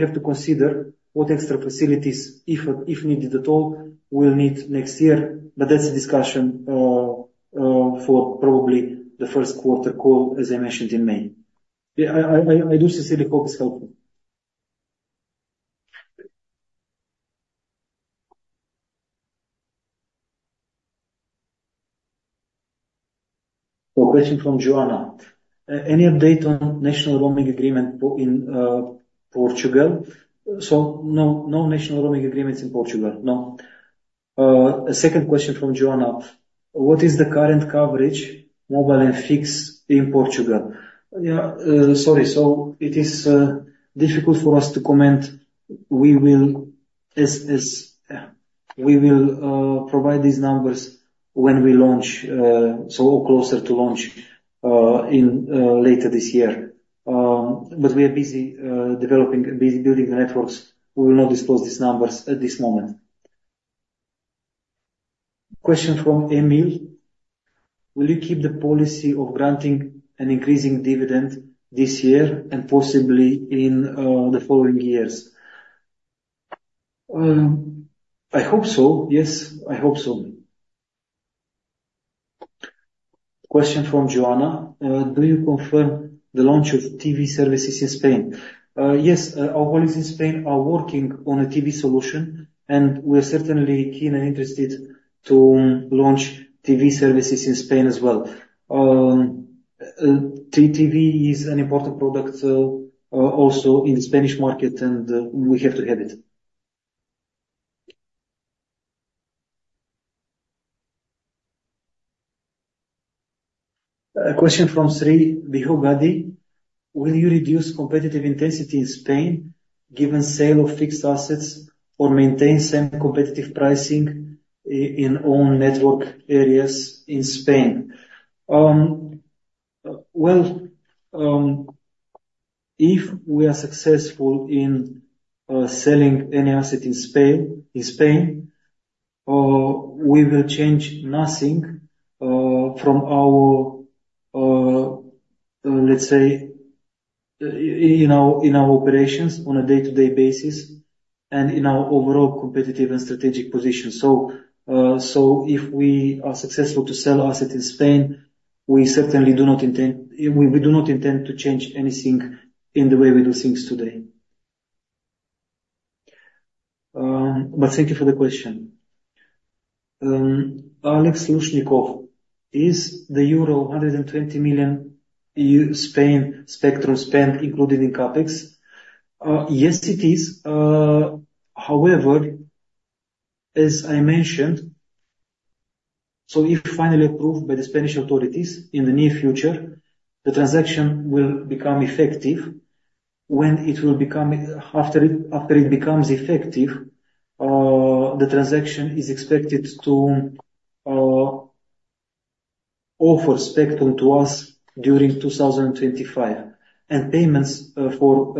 have to consider what extra facilities, if, if needed at all, we'll need next year. But that's a discussion for probably the first quarter call, as I mentioned, in May. Yeah, I do sincerely hope it's helpful. So a question from Joanna. Any update on national roaming agreement in Portugal? So no, no national roaming agreements in Portugal, no. A second question from Joanna. What is the current coverage, mobile and fixed, in Portugal? Yeah, sorry, so it is difficult for us to comment. We will, as is, we will provide these numbers when we launch, so closer to launch, in later this year. But we are busy developing and busy building the networks. We will not disclose these numbers at this moment. Question from Emil: Will you keep the policy of granting an increasing dividend this year and possibly in the following years? I hope so. Yes, I hope so. Question from Joanna: Do you confirm the launch of TV services in Spain? Yes, our colleagues in Spain are working on a TV solution, and we're certainly keen and interested to launch TV services in Spain as well. TV is an important product also in the Spanish market, and we have to have it. A question from Sri Bihugadi: Will you reduce competitive intensity in Spain, given sale of fixed assets, or maintain same competitive pricing in own network areas in Spain? Well,... If we are successful in selling any asset in Spain, in Spain, we will change nothing from our, let's say, in our operations on a day-to-day basis and in our overall competitive and strategic position. So, so if we are successful to sell asset in Spain, we certainly do not intend, we do not intend to change anything in the way we do things today. But thank you for the question. Alex Lushnikov, "Is the euro 120 million Spain spectrum spend included in CapEx?" Yes, it is. However, as I mentioned, so if finally approved by the Spanish authorities in the near future, the transaction will become effective. After it becomes effective, the transaction is expected to offer spectrum to us during 2025, and payments for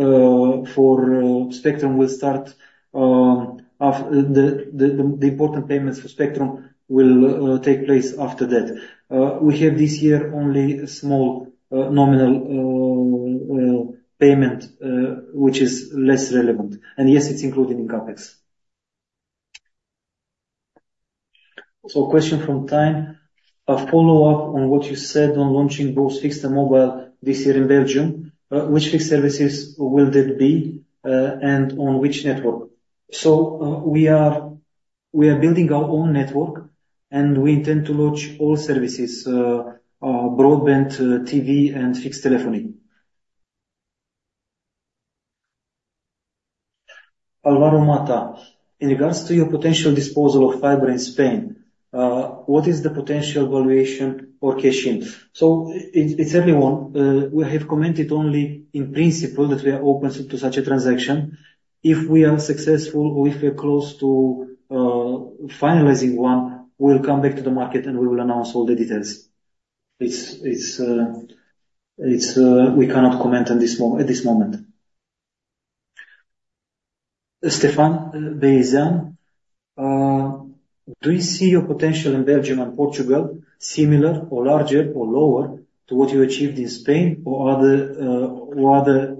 spectrum will start. The important payments for spectrum will take place after that. We have this year only a small nominal payment, which is less relevant, and yes, it's included in CapEx. So a question from Time: A follow-up on what you said on launching both fixed and mobile this year in Belgium. Which fixed services will that be, and on which network? So, we are building our own network, and we intend to launch all services, broadband, TV, and fixed telephony. Alvaro Mata: In regards to your potential disposal of fiber in Spain, what is the potential valuation or cash-in? So it's early on. We have commented only in principle that we are open to such a transaction. If we are successful or if we're close to finalizing one, we'll come back to the market, and we will announce all the details. We cannot comment on this at this moment. Stephane Beyazian: Do you see your potential in Belgium and Portugal similar or larger or lower to what you achieved in Spain or other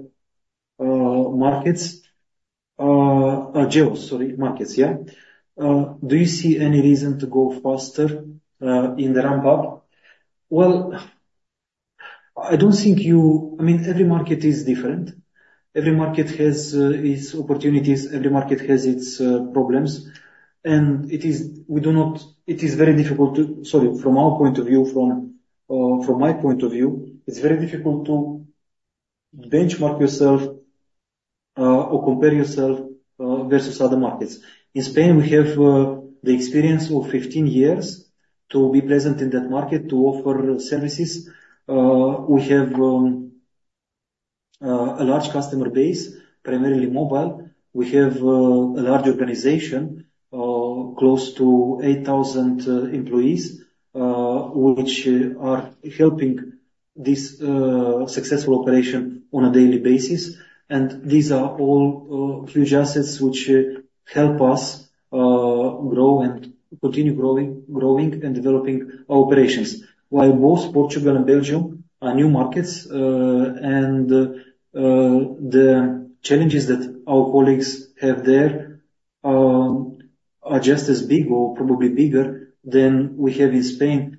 markets? Yeah. Do you see any reason to go faster in the ramp up? Well, I don't think. I mean, every market is different. Every market has its opportunities, every market has its problems, and it is very difficult to... Sorry, from our point of view, from my point of view, it's very difficult to benchmark yourself or compare yourself versus other markets. In Spain, we have the experience of 15 years to be present in that market, to offer services. We have a large customer base, primarily mobile. We have a large organization close to 8,000 employees which are helping this successful operation on a daily basis, and these are all huge assets which help us grow and continue growing, growing and developing our operations. While both Portugal and Belgium are new markets, and the challenges that our colleagues have there are just as big or probably bigger than we have in Spain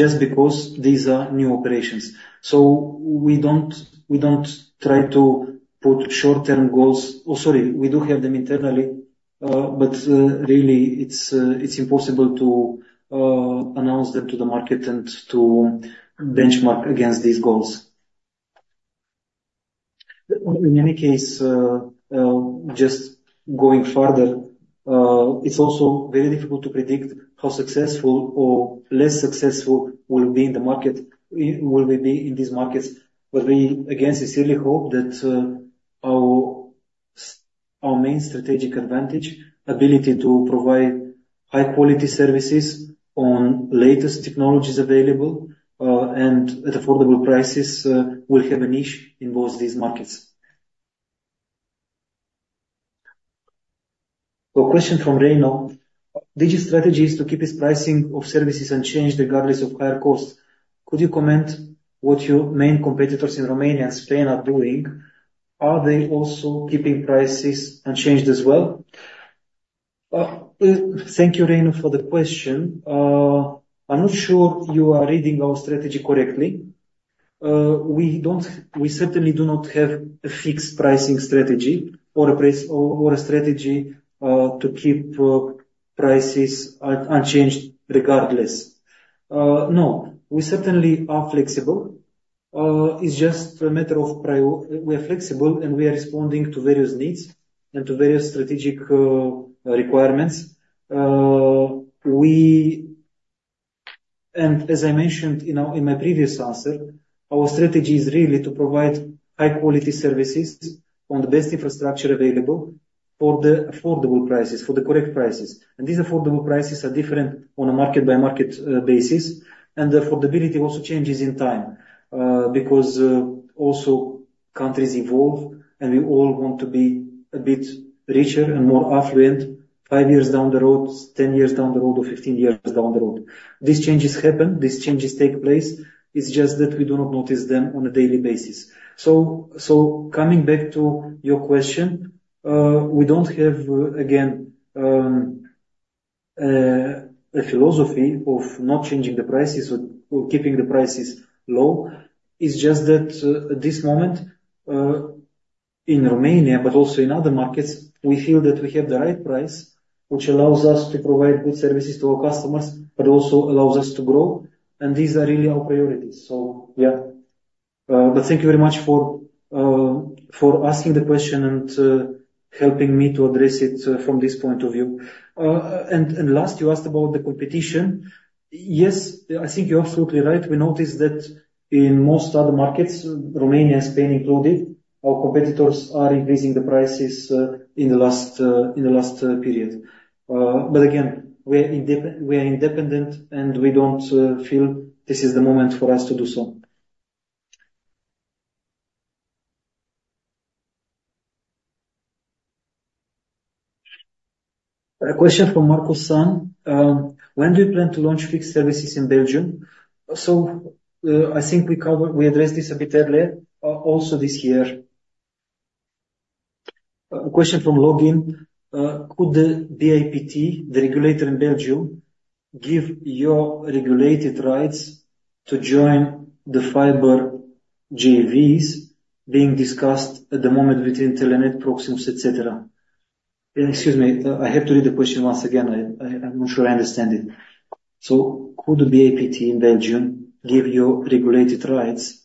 just because these are new operations. So we don't try to put short-term goals, or sorry, we do have them internally, but really, it's impossible to announce that to the market and to benchmark against these goals. In any case, just going further, it's also very difficult to predict how successful or less successful we'll be in the market, will we be in these markets. But we, again, sincerely hope that our main strategic advantage, ability to provide high quality services on latest technologies available, and at affordable prices, will have a niche in both these markets. A question from Reno: Digi's strategy is to keep its pricing of services unchanged regardless of higher costs. Could you comment what your main competitors in Romania and Spain are doing? Are they also keeping prices unchanged as well? Thank you, Reno, for the question. I'm not sure you are reading our strategy correctly. We don't, we certainly do not have a fixed pricing strategy or a strategy to keep prices unchanged regardless. No, we certainly are flexible. It's just a matter of priorities. We are flexible, and we are responding to various needs and to various strategic requirements. And as I mentioned in my previous answer, our strategy is really to provide high-quality services on the best infrastructure available for the affordable prices, for the correct prices. These affordable prices are different on a market-by-market basis, and the affordability also changes in time, because also countries evolve, and we all want to be a bit richer and more affluent five years down the road, 10 years down the road, or 15 years down the road. These changes happen, these changes take place. It's just that we do not notice them on a daily basis. So, so coming back to your question, we don't have, again, a philosophy of not changing the prices or keeping the prices low. It's just that, at this moment, in Romania, but also in other markets, we feel that we have the right price, which allows us to provide good services to our customers, but also allows us to grow, and these are really our priorities. So yeah. But thank you very much for asking the question and helping me to address it from this point of view. And last, you asked about the competition. Yes, I think you're absolutely right. We noticed that in most other markets, Romania and Spain included, our competitors are increasing the prices in the last period. But again, we are independent, and we don't feel this is the moment for us to do so. A question from Mark Maurer: When do you plan to launch fixed services in Belgium? So, I think we covered... We addressed this a bit earlier, also this year. A question from Logan: Could the BIPT, the regulator in Belgium, give your regulated rights to join the fiber JVs being discussed at the moment between Telenet, Proximus, et cetera? Excuse me, I have to read the question once again. I'm not sure I understand it. So could the BIPT in Belgium give you regulated rights?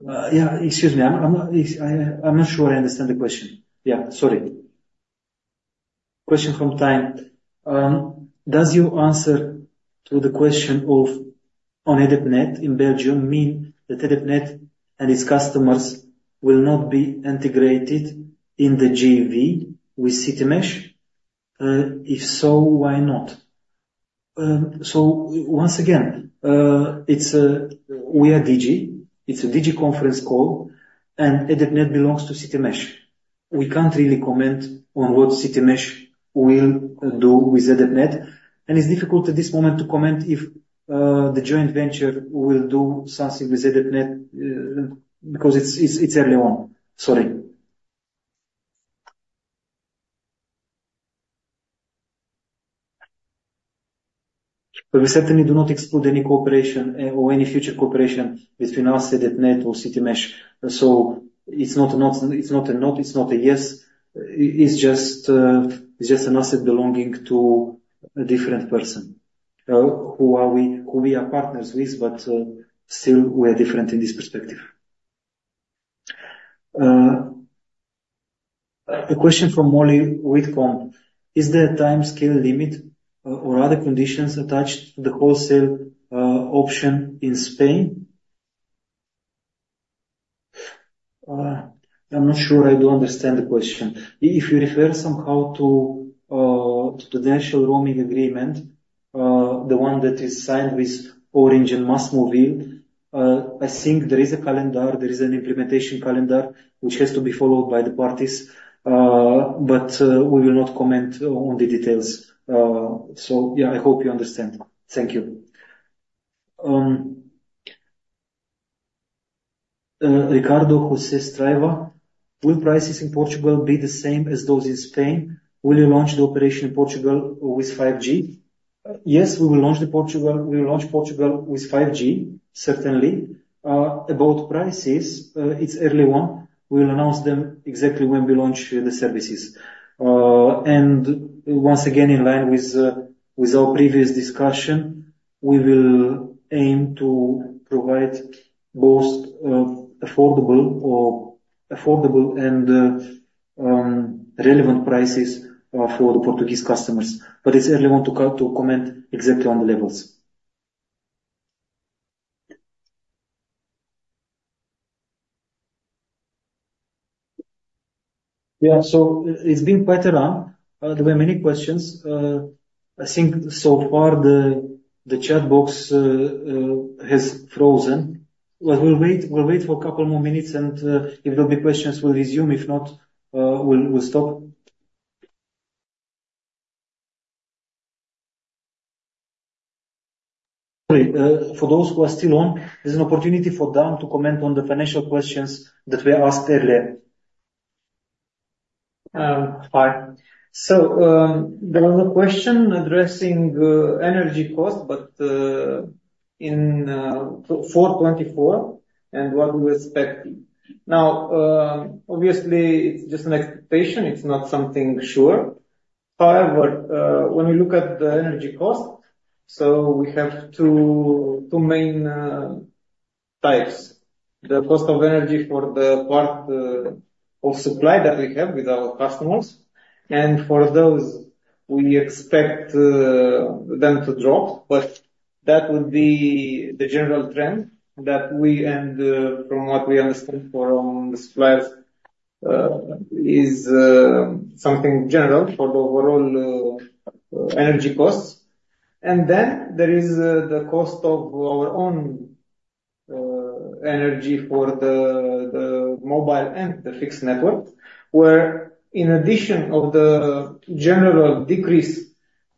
Yeah, excuse me, I'm not sure I understand the question. Yeah, sorry. Question from Time: Does your answer to the question on EDPnet in Belgium mean that EDPnet and its customers will not be integrated in the JV with Citymesh? If so, why not? So once again, it's, we are Digi. It's a Digi conference call, and EDPnet belongs to Citymesh. We can't really comment on what Citymesh will do with EDPnet, and it's difficult at this moment to comment if the joint venture will do something with EDPnet, because it's early on. Sorry. But we certainly do not exclude any cooperation, or any future cooperation between us and EDPnet or Citymesh. So it's not a no, it's not a no, it's not a yes. It's just an asset belonging to a different person who we are partners with, but still, we are different in this perspective. A question from Molly Whitcomb: Is there a timescale limit or other conditions attached to the wholesale option in Spain? I'm not sure I do understand the question. If you refer somehow to the national roaming agreement, the one that is signed with Orange and MásMóvil, I think there is a calendar, there is an implementation calendar, which has to be followed by the parties. But, we will not comment on the details. So, yeah, I hope you understand. Thank you. Ricardo Jose Strava: Will prices in Portugal be the same as those in Spain? Will you launch the operation in Portugal with 5G? Yes, we will launch the Portugal, we will launch Portugal with 5G, certainly. About prices, it's early on. We will announce them exactly when we launch the services. And once again, in line with our previous discussion, we will aim to provide both affordable or affordable and relevant prices for the Portuguese customers. But it's early on to comment exactly on the levels. Yeah, so it's been quite a while. There were many questions. I think so far, the chat box has frozen. But we'll wait, we'll wait for a couple more minutes, and if there'll be questions, we'll resume. If not, we'll stop. For those who are still on, there's an opportunity for them to comment on the financial questions that were asked earlier. Hi. So, there was a question addressing energy cost, but, in 2024, and what do you expect? Now, obviously, it's just an expectation. It's not something sure. However, when you look at the energy cost, so we have two, two main types. The cost of energy for the part of supply that we have with our customers, and for those, we expect them to drop, but- That would be the general trend that we, and, from what we understand from the suppliers, is something general for the overall energy costs. There is the cost of our own energy for the mobile and the fixed network, where in addition of the general decrease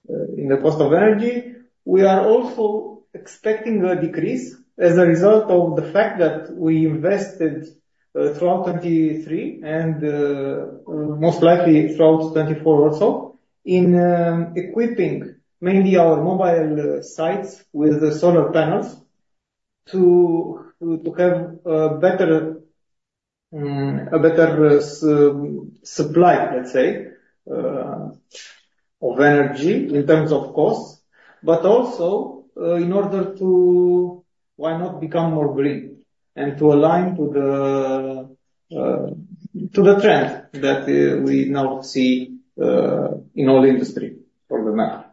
in the cost of energy, we are also expecting a decrease as a result of the fact that we invested throughout 2023 and most likely throughout 2024 also in equipping mainly our mobile sites with the solar panels to have a better supply, let's say, of energy in terms of costs, but also in order to why not become more green. And to align to the trend that we now see in all industry for the matter.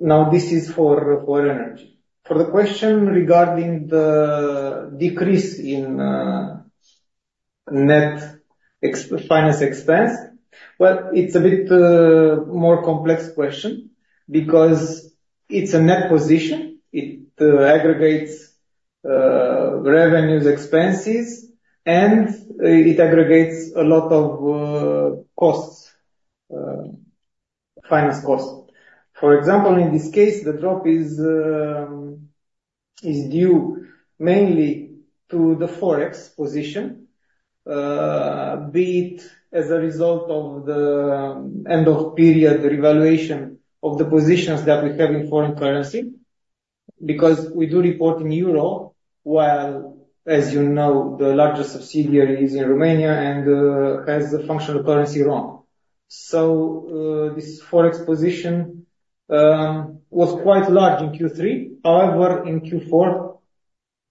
Now, this is for energy. For the question regarding the decrease in net finance expense, well, it's a bit more complex question because it's a net position. It aggregates revenues, expenses, and it aggregates a lot of costs, finance costs. For example, in this case, the drop is due mainly to the Forex position, be it as a result of the end of period revaluation of the positions that we have in foreign currency, because we do report in Euro, while, as you know, the largest subsidiary is in Romania and has a functional currency, RON. So, this Forex position was quite large in Q3. However, in Q4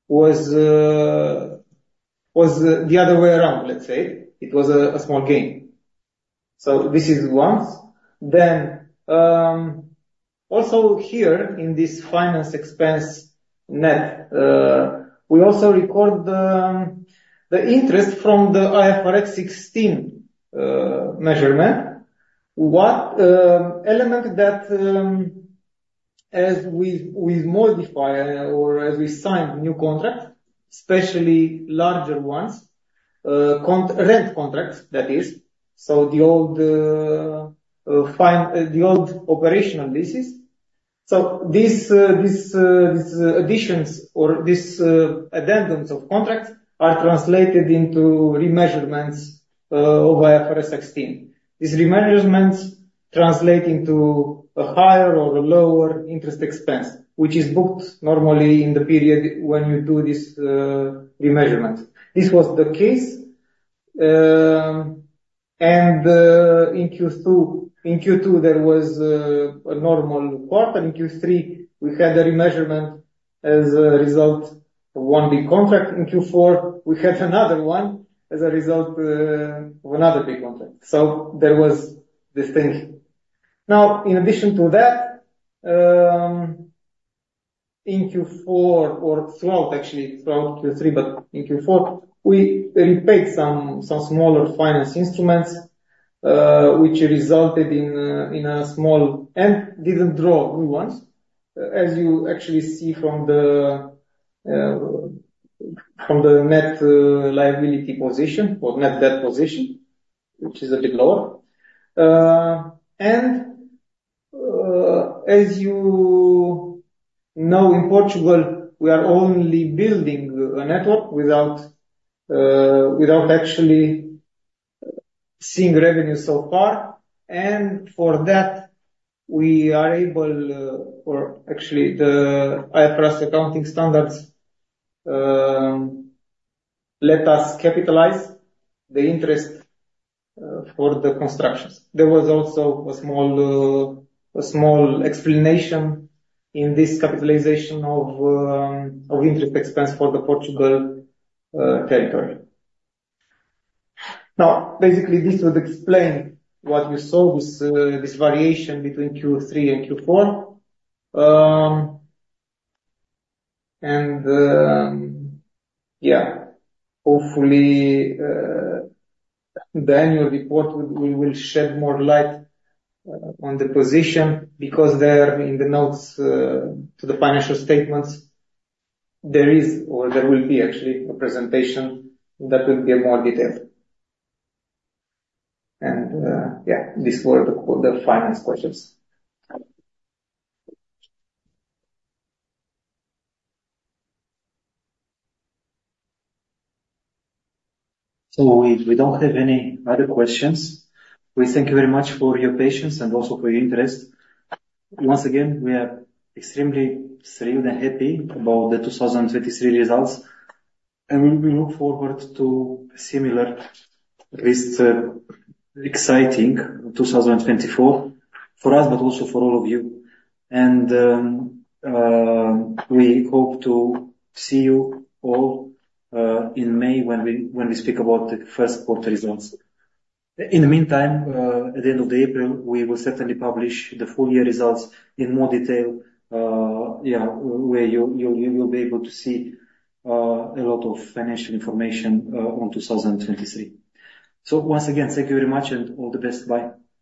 was the other way around, let's say. It was a small gain. So this is once. Then, also here in this finance expense net, we also record the interest from the IFRS 16 measurement. One element that, as we modify or as we sign new contract, especially larger ones, current rent contracts, that is, the old operational leases. So this additions or addendums of contracts are translated into remeasurements of IFRS 16. These remeasurements translate into a higher or a lower interest expense, which is booked normally in the period when you do this remeasurement. This was the case, and in Q2, there was a normal quarter. In Q3, we had a remeasurement as a result of one big contract. In Q4, we had another one as a result of another big contract. So there was this thing. Now, in addition to that, in Q4 or throughout, actually, throughout Q3, but in Q4, we repaid some smaller finance instruments, which resulted in a small and didn't draw new ones, as you actually see from the net liability position or net debt position, which is a bit lower. As you know, in Portugal, we are only building a network without actually seeing revenue so far. For that, we are able or actually, the IFRS accounting standards let us capitalize the interest for the constructions. There was also a small explanation in this capitalization of interest expense for the Portugal territory. Now, basically, this would explain what you saw, this variation between Q3 and Q4. Yeah, hopefully, the annual report, we will shed more light on the position, because there in the notes to the financial statements, there is or there will be actually a presentation that will be more detailed. And, yeah, these were the finance questions. So we don't have any other questions. We thank you very much for your patience and also for your interest. Once again, we are extremely thrilled and happy about the 2023 results, and we look forward to a similar, at least, exciting 2024 for us, but also for all of you. And, we hope to see you all in May, when we speak about the first quarter results. In the meantime, at the end of April, we will certainly publish the full year results in more detail. Yeah, where you will be able to see a lot of financial information on 2023. So once again, thank you very much and all the best. Bye.